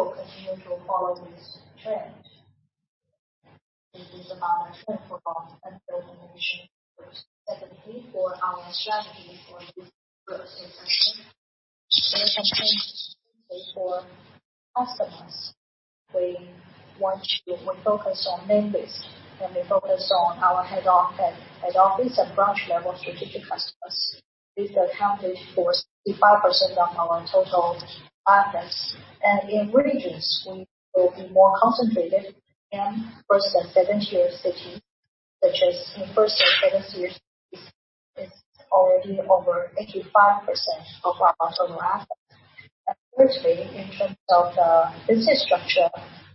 continue to follow this trend. This is about our trend for our asset formation. Secondly, for our strategy for real estate section. Real estate section is for customers. We focus on main base, and we focus on our head office and branch level strategic customers. These accounted for 65% of our total finance. In regions, we will be more concentrated in first and second tier city, such as in first and second tier city, it's already over 85% of our total asset. Thirdly, in terms of the business structure,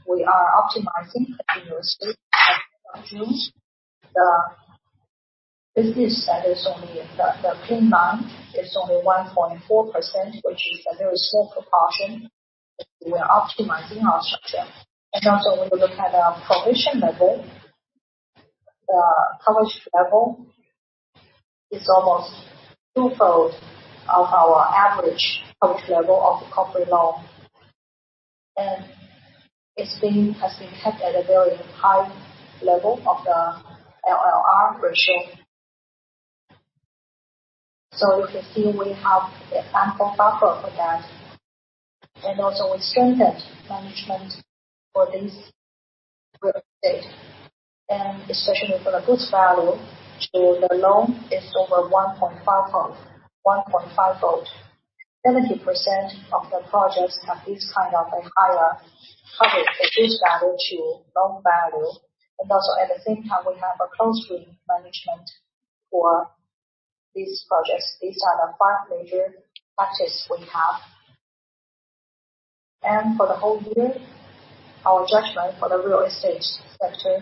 we are optimizing continuously. As of June, the business that is only in the green line is only 1.4%, which is a very small proportion. We are optimizing our structure. Also when we look at our provision level, the coverage level is almost twofold of our average coverage level of the corporate loan. It has been kept at a very high level of the LLR ratio. You can see we have the ample buffer for that. We strengthened management for this real estate. Especially for the goods value to the loan is over 1.5-fold. 70% of the projects have this kind of a higher coverage. The goods value to loan value. At the same time, we have a close rate management for these projects. These are the five major practice we have. For the whole year, our judgment for the real estate sector,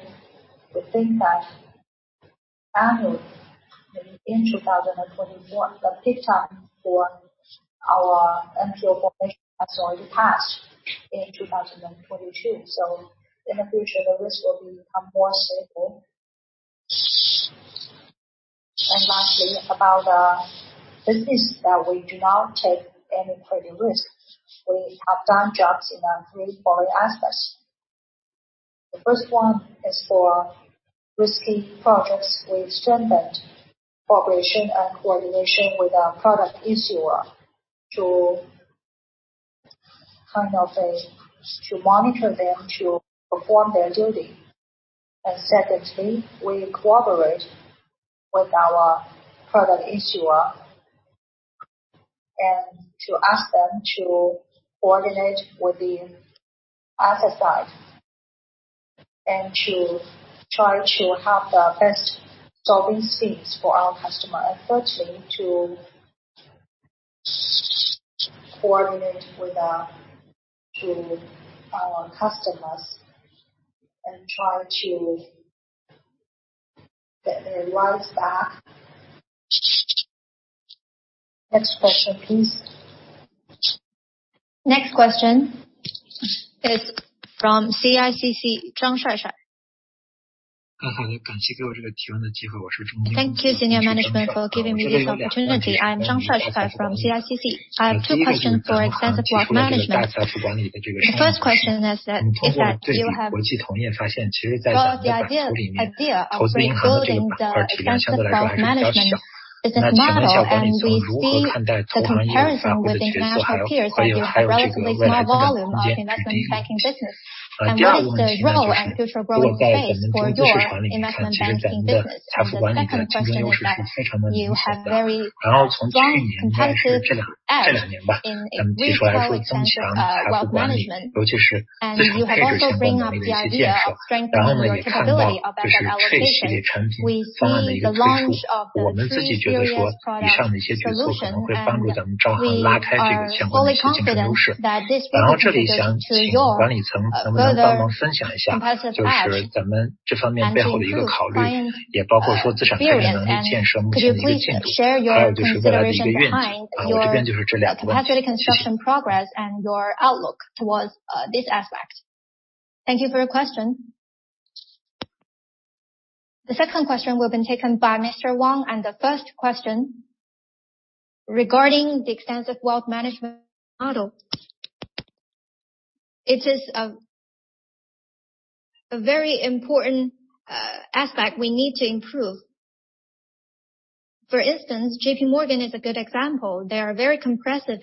we think that in 2021, the peak time for our NPL formation has already passed in 2022. In the future, the risk will become more stable. Lastly, about the business that we do not take any credit risk. We have done jobs in the three following aspects. The first one is for risky projects. We strengthened cooperation and coordination with our product issuer to monitor them to perform their duty. Secondly, we cooperate with our product issuer and to ask them to coordinate with the other side, and to try to have the best solving schemes for our customer. Thirdly, to coordinate with our customers and try to get their loans back. Next question, please. Next question is from CICC, Zhang Shuaishuai. Thank you, senior management, for giving me this opportunity. I am Zhang Shuaishuai from CICC. I have two questions for extensive wealth management. The first question is that you have well, the idea of rebuilding the extensive wealth management is admirable, and we see the comparison with the financial peers that you have relatively small volume of investment banking business. What is the role and future growth in place for your investment banking business? The second question is that you have very strong incentives this last year, but then this was a total management, which is this is also some of these ideas. We will handle this tree series product for handling this issue. We see the launch of tree series product. We are fully confident that this will contribute to your further competitive edge and to improve client experience. Could you please share your consideration behind your capacity construction progress and your outlook towards this aspect? Thank you for your question. The second question will be taken by Mr. Wang. The first question regarding the extensive wealth management model. It is a very important aspect we need to improve. For instance, JPMorgan is a good example. They are very comprehensive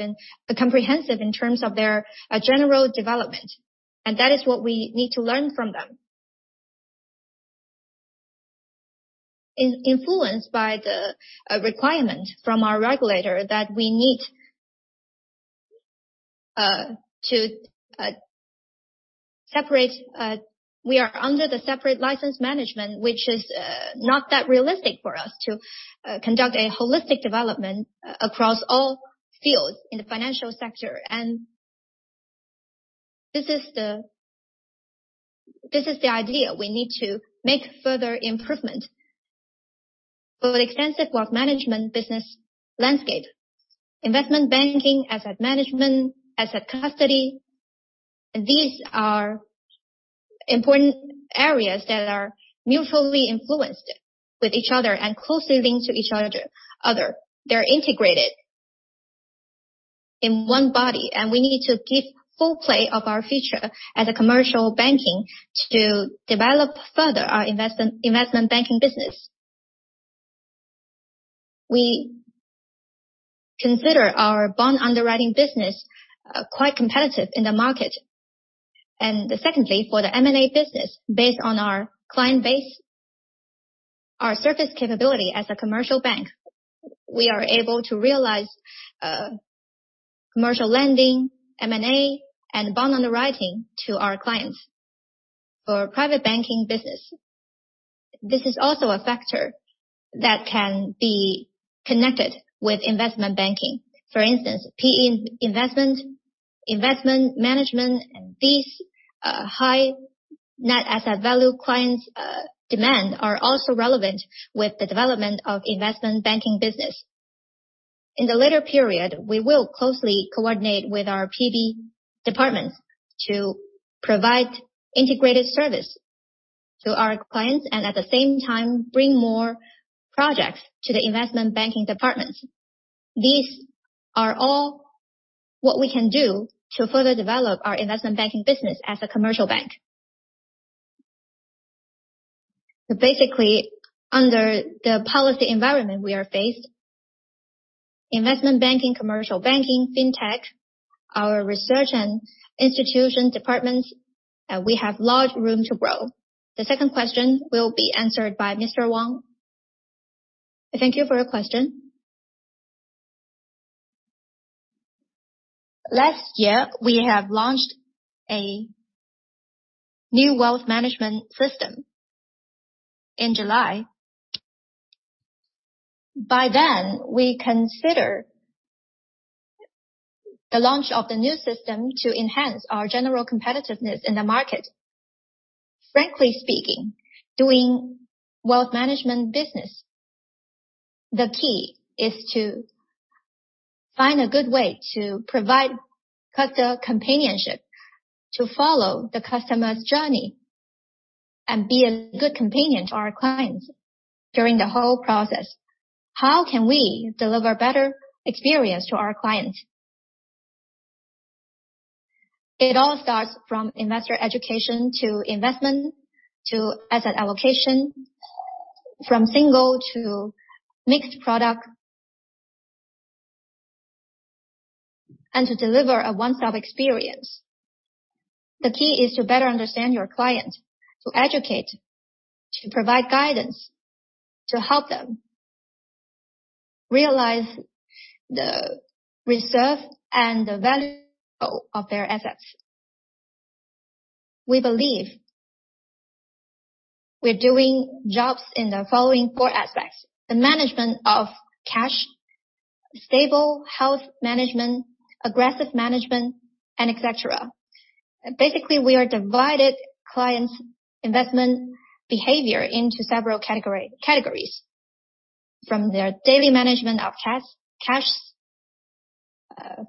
in terms of their general development, and that is what we need to learn from them. Is influenced by the requirement from our regulator that we need to separate. We are under the separate license management, which is not that realistic for us to conduct a holistic development across all fields in the financial sector. This is the idea we need to make further improvement for the extensive wealth management business landscape. Investment banking, asset management, asset custody. These are important areas that are mutually influenced with each other and closely linked to each other. They're integrated in one body, and we need to give full play of our feature as a commercial banking to develop further our investment banking business. We consider our bond underwriting business quite competitive in the market. Secondly, for the M&A business, based on our client base, our service capability as a commercial bank, we are able to realize commercial lending, M&A, and bond underwriting to our clients. For private banking business, this is also a factor that can be connected with investment banking. For instance, PE investment management, and these high net asset value clients demand are also relevant with the development of investment banking business. In the later period, we will closely coordinate with our PB departments to provide integrated service to our clients and at the same time bring more projects to the investment banking departments. These are all what we can do to further develop our investment banking business as a commercial bank. Basically, under the policy environment we are faced, investment banking, commercial banking, fintech, our research and institution departments, we have large room to grow. The second question will be answered by Mr. Wang. Thank you for your question. Last year, we have launched a new wealth management system in July. By then, we consider the launch of the new system to enhance our general competitiveness in the market. Frankly speaking, doing wealth management business, the key is to find a good way to provide customer companionship, to follow the customer's journey and be a good companion to our clients during the whole process. How can we deliver better experience to our clients? It all starts from investor education to investment, to asset allocation, from single to mixed product. To deliver a one-stop experience. The key is to better understand your client, to educate, to provide guidance, to help them preserve the value of their assets. We believe we're doing well in the following four aspects. The management of cash, stable wealth management, aggressive management, and et cetera. Basically, we are divided clients investment behavior into several categories, from their daily management of cash,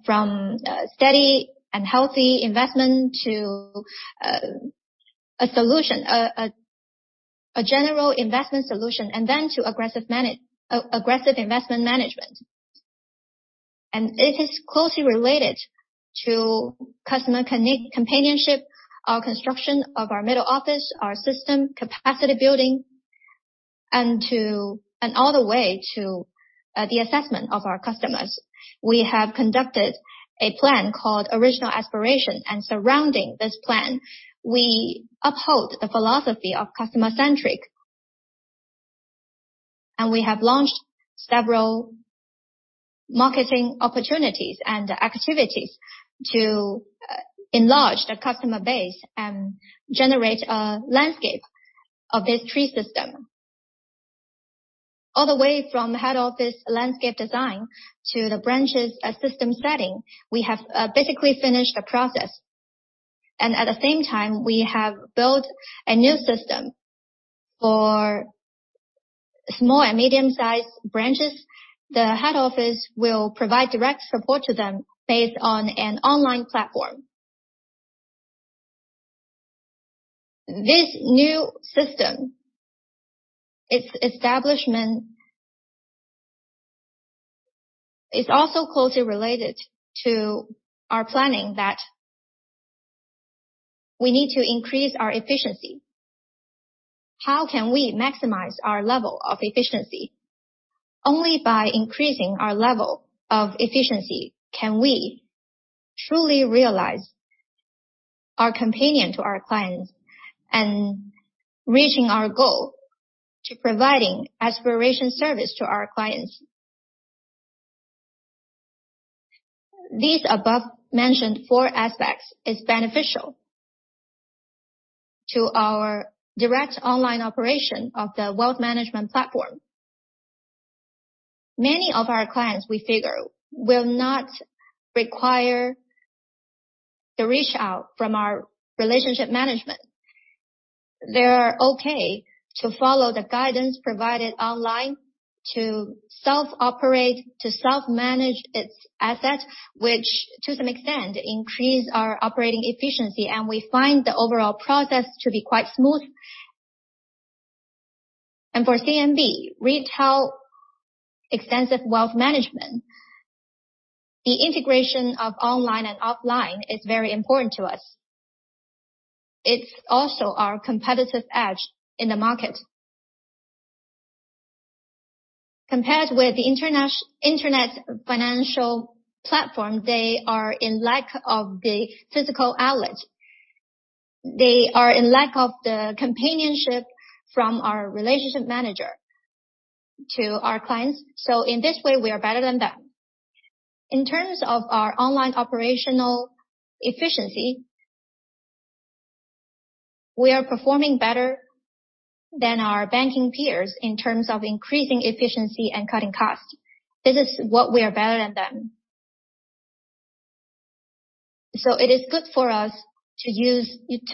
from steady and healthy investment to a general investment solution, and then to aggressive investment management. It is closely related to customer companionship, our construction of our middle office, our system capacity building, and all the way to the assessment of our customers. We have conducted a plan called Original Aspiration, and surrounding this plan, we uphold a philosophy of customer-centric. We have launched several marketing opportunities and activities to enlarge the customer base and generate a landscape of this tree series. All the way from head office landscape design to the branches system setting, we have basically finished the process. At the same time, we have built a new system for small and medium-sized branches. The head office will provide direct support to them based on an online platform. This new system, its establishment is also closely related to our planning that we need to increase our efficiency. How can we maximize our level of efficiency? Only by increasing our level of efficiency can we truly realize our commitment to our clients and reaching our goal to providing aspirational service to our clients. These above mentioned four aspects is beneficial to our direct online operation of the wealth management platform. Many of our clients, we figure, will not require the reach out from our relationship management. They're okay to follow the guidance provided online to self-operate, to self-manage its asset, which to some extent increase our operating efficiency. We find the overall process to be quite smooth. For CMB retail extensive wealth management, the integration of online and offline is very important to us. It's also our competitive edge in the market. Compared with the internet financial platform, they are in lack of the physical outlet. They are in lack of the companionship from our relationship manager to our clients. In this way, we are better than them. In terms of our online operational efficiency, we are performing better than our banking peers in terms of increasing efficiency and cutting costs. This is what we are better than them. It is good for us to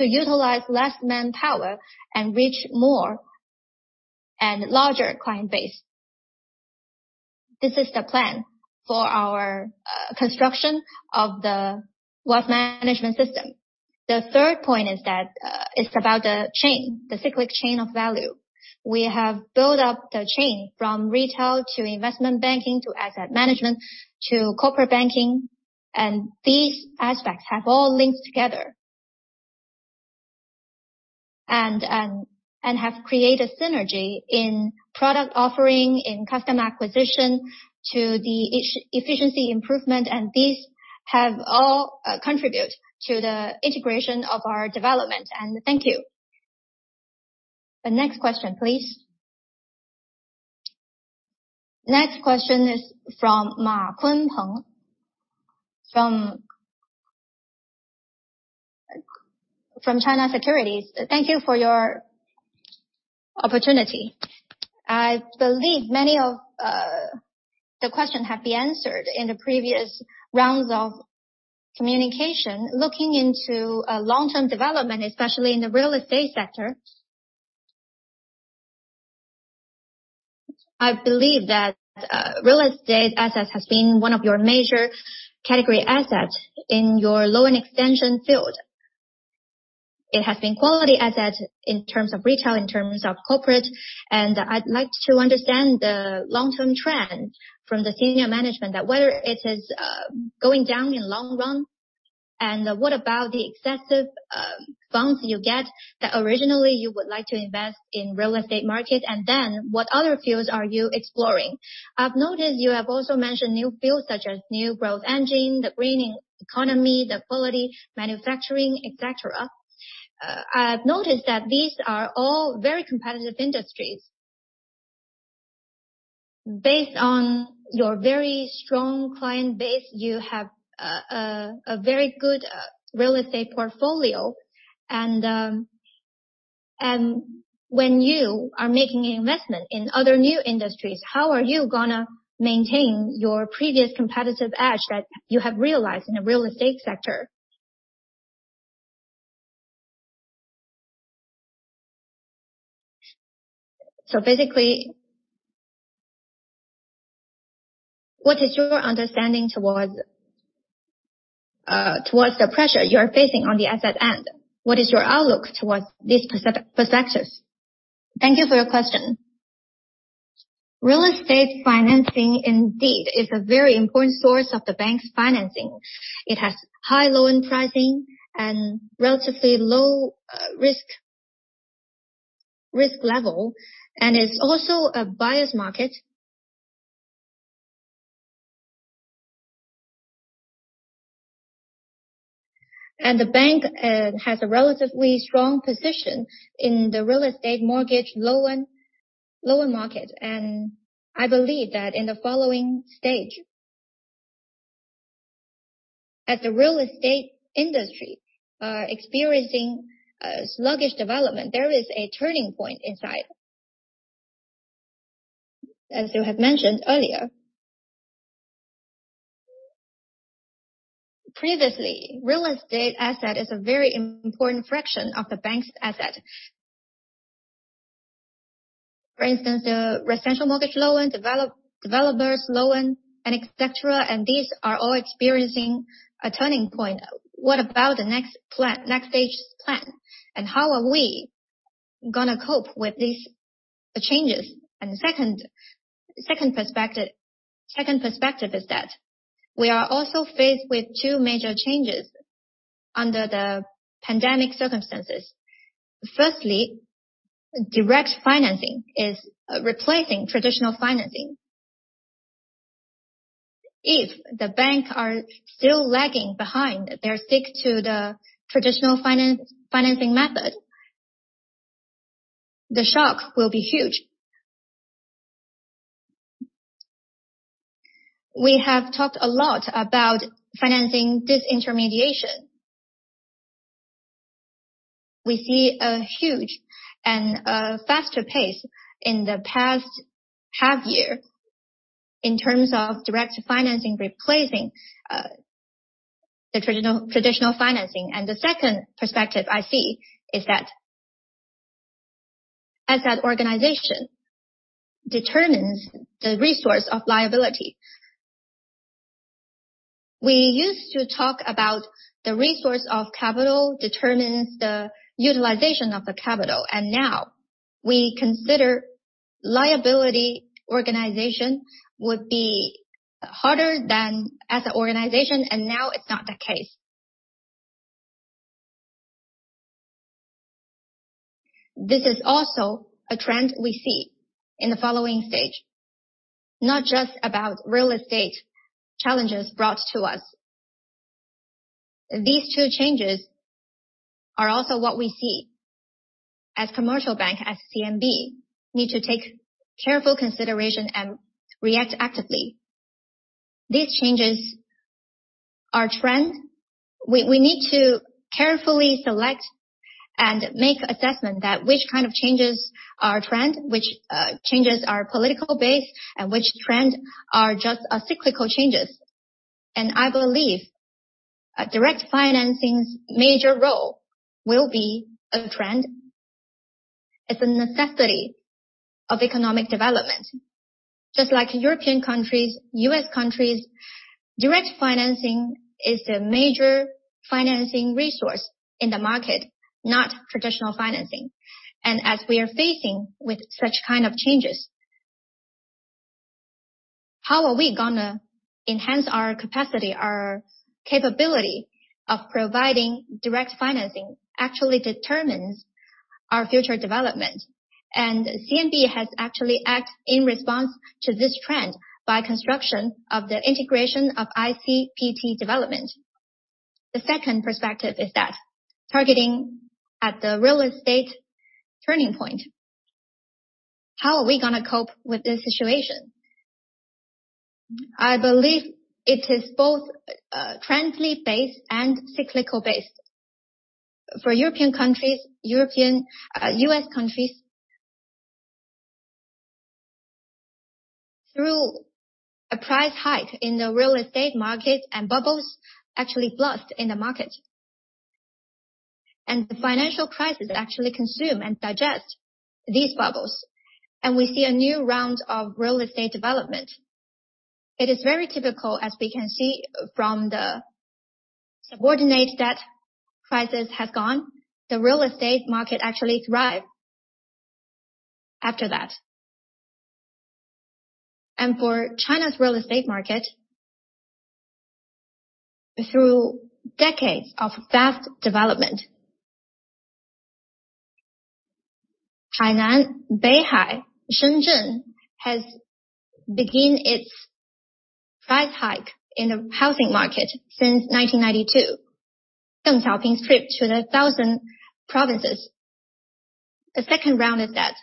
utilize less manpower and reach more and larger client base. This is the plan for our construction of the wealth management system. The third point is about the chain, the cyclic chain of value. We have built up the chain from retail to investment banking, to asset management, to corporate banking, and these aspects have all linked together. We have created synergy in product offering, in customer acquisition to the efficiency improvement, and these have all contribute to the integration of our development. Thank you. The next question, please. Next question is from Kunpeng Ma from China Securities. Thank you for your opportunity. I believe many of the question have been answered in the previous rounds of communication. Looking into long-term development, especially in the real estate sector. I believe that real estate assets has been one of your major category asset in your loan extension field. It has been quality asset in terms of retail, in terms of corporate, and I'd like to understand the long-term trend from the senior management that whether it is going down in long run, and what about the excessive bonds you get that originally you would like to invest in real estate market, and then what other fields are you exploring? I've noticed you have also mentioned new fields such as new growth engine, the green economy, the quality manufacturing, et cetera. I've noticed that these are all very competitive industries. Based on your very strong client base, you have a very good real estate portfolio. When you are making investment in other new industries, how are you gonna maintain your previous competitive edge that you have realized in the real estate sector? Basically, what is your understanding towards the pressure you are facing on the asset end? What is your outlook towards these pressures? Thank you for your question. Real estate financing indeed is a very important source of the bank's financing. It has high loan pricing and relatively low risk level, and is also a buyer's market. The bank has a relatively strong position in the real estate mortgage loan market. I believe that in the following stage, as the real estate industry are experiencing a sluggish development, there is a turning point in sight. As you have mentioned earlier. Previously, real estate asset is a very important fraction of the bank's asset. For instance, the residential mortgage loan, developer's loan, and et cetera, and these are all experiencing a turning point. What about the next stage plan, and how are we gonna cope with these changes? The second perspective is that we are also faced with two major changes under the pandemic circumstances. Firstly, direct financing is replacing traditional financing. If the bank are still lagging behind, they stick to the traditional financing method, the shock will be huge. We have talked a lot about financing disintermediation. We see a huge and a faster pace in the past half year in terms of direct financing replacing the traditional financing. The second perspective I see is that as an organization determines the resource of liability. We used to talk about the resource of capital determines the utilization of the capital, and now we consider liability organization would be harder than as an organization, and now it's not the case. This is also a trend we see in the following stage, not just about real estate challenges brought to us. These two changes are also what we see as commercial bank, as CMB need to take careful consideration and react actively. These changes are trend. We need to carefully select and make assessment that which kind of changes are trend, which changes are policy-based, and which trend are just a cyclical changes. I believe a direct financing's major role will be a trend. It's a necessity of economic development. Just like European countries, U.S. countries, direct financing is a major financing resource in the market, not traditional financing. As we are facing with such kind of changes, how are we gonna enhance our capacity, our capability of providing direct financing actually determines our future development. CMB has actually acted in response to this trend by constructing the integration of ICPT development. The second perspective is that targeted at the real estate turning point. How are we gonna cope with this situation? I believe it is both, trend-based and cycle-based. For European countries, U.S. countries. Through a price hike in the real estate market and bubbles actually burst in the market. The financial crisis actually consumed and digested these bubbles. We see a new round of real estate development. It is very typical as we can see from the subprime debt crisis has gone, the real estate market actually thrived after that. For China's real estate market. Through decades of vast development. Hainan, Beihai, Shenzhen has begun its price hike in the housing market since 1992. Deng Xiaoping's trip to the southern provinces. The second round is that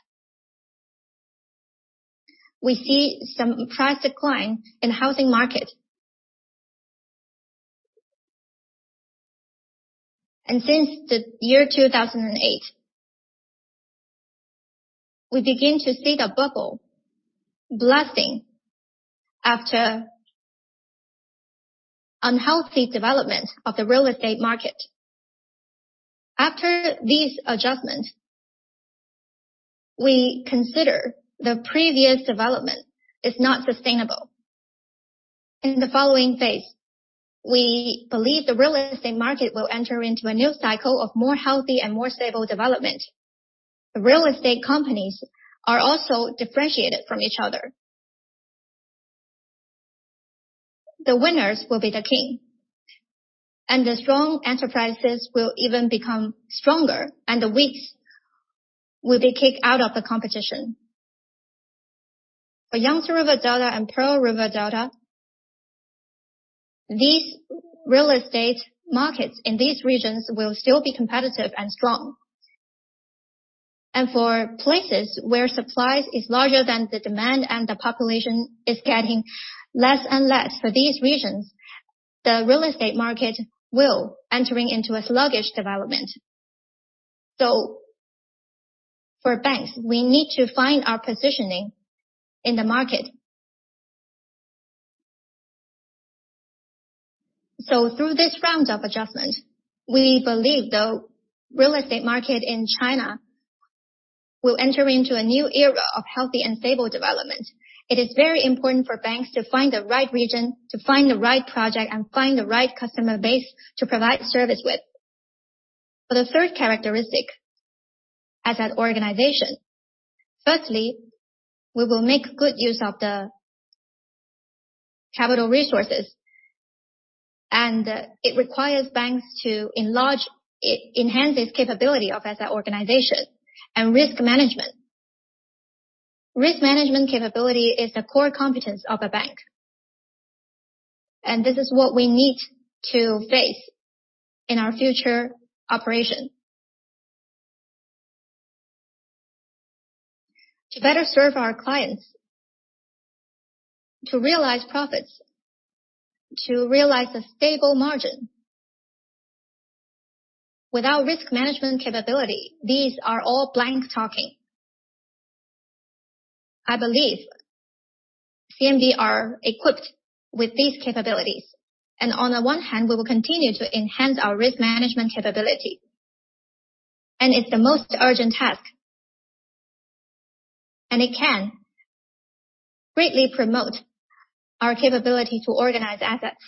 we see some price decline in housing market. Since the year 2008, we begin to see the bubble bursting after unhealthy development of the real estate market. After this adjustment, we consider the previous development is not sustainable. In the following phase, we believe the real estate market will enter into a new cycle of more healthy and more stable development. The real estate companies are also differentiated from each other. The winners will be the king, and the strong enterprises will even become stronger, and the weak will be kicked out of the competition. For Yangtze River Delta and Pearl River Delta, these real estate markets in these regions will still be competitive and strong. For places where supply is larger than the demand and the population is getting less and less, for these regions, the real estate market will enter into a sluggish development. For banks, we need to find our positioning in the market. Through this round of adjustment, we believe the real estate market in China will enter into a new era of healthy and stable development. It is very important for banks to find the right region, to find the right project, and find the right customer base to provide service with. For the third characteristic, asset organization. Firstly, we will make good use of the capital resources, and it requires banks to enhance this capability of asset organization and risk management. Risk management capability is the core competence of a bank. This is what we need to face in our future operation. To better serve our clients, to realize profits, to realize a stable margin. Without risk management capability, these are all blank talking. I believe CMB are equipped with these capabilities. On the one hand, we will continue to enhance our risk management capability, and it's the most urgent task. It can greatly promote our capability to organize assets,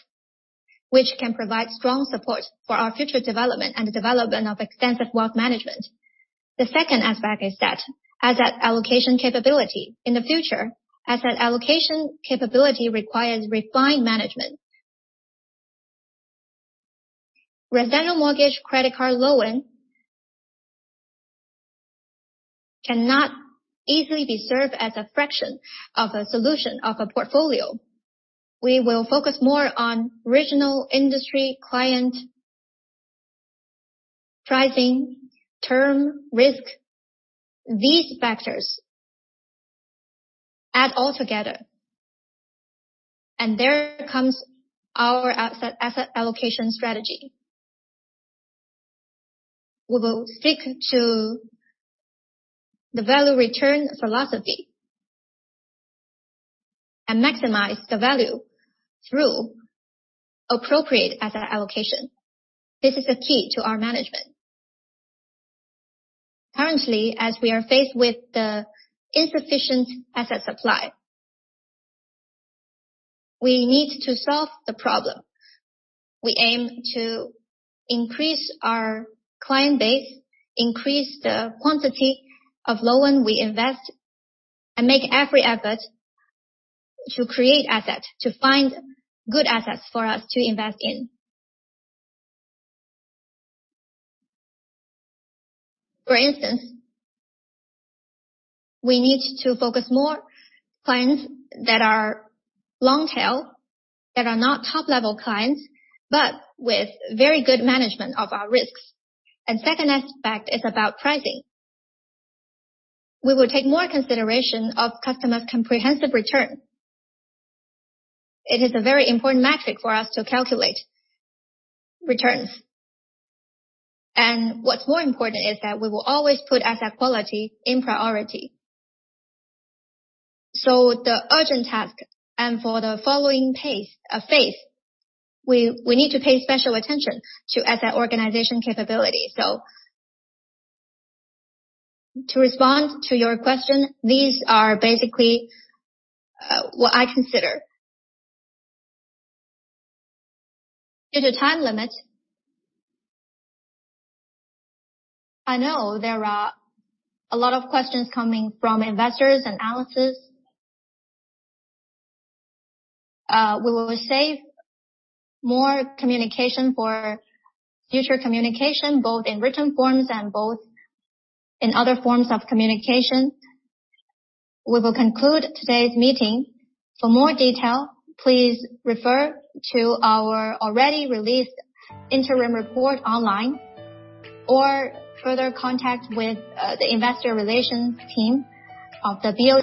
which can provide strong support for our future development and development of extensive wealth management. The second aspect is that asset allocation capability. In the future, asset allocation capability requires refined management. Residential mortgage credit card loan cannot easily be served as a fraction of a solution of a portfolio. We will focus more on regional industry, client, pricing, term, risk. These factors add all together. There comes our asset allocation strategy. We will stick to the value return philosophy and maximize the value through appropriate asset allocation. This is the key to our management. Currently, as we are faced with the insufficient asset supply, we need to solve the problem. We aim to increase our client base, increase the quantity of loan we invest, and make every effort to create asset, to find good assets for us to invest in. For instance, we need to focus more clients that are long tail, that are not top-level clients, but with very good management of our risks. Second aspect is about pricing. We will take more consideration of customer comprehensive return. It is a very important metric for us to calculate returns. What's more important is that we will always put asset quality in priority. The urgent task and for the following phase, we need to pay special attention to asset organization capability. To respond to your question, these are basically what I consider. Due to time limit, I know there are a lot of questions coming from investors, analysts. We will save more communication for future communication, both in written forms and both in other forms of communication. We will conclude today's meeting. For more detail, please refer to our already released interim report online or further contact with the investor relations team of W-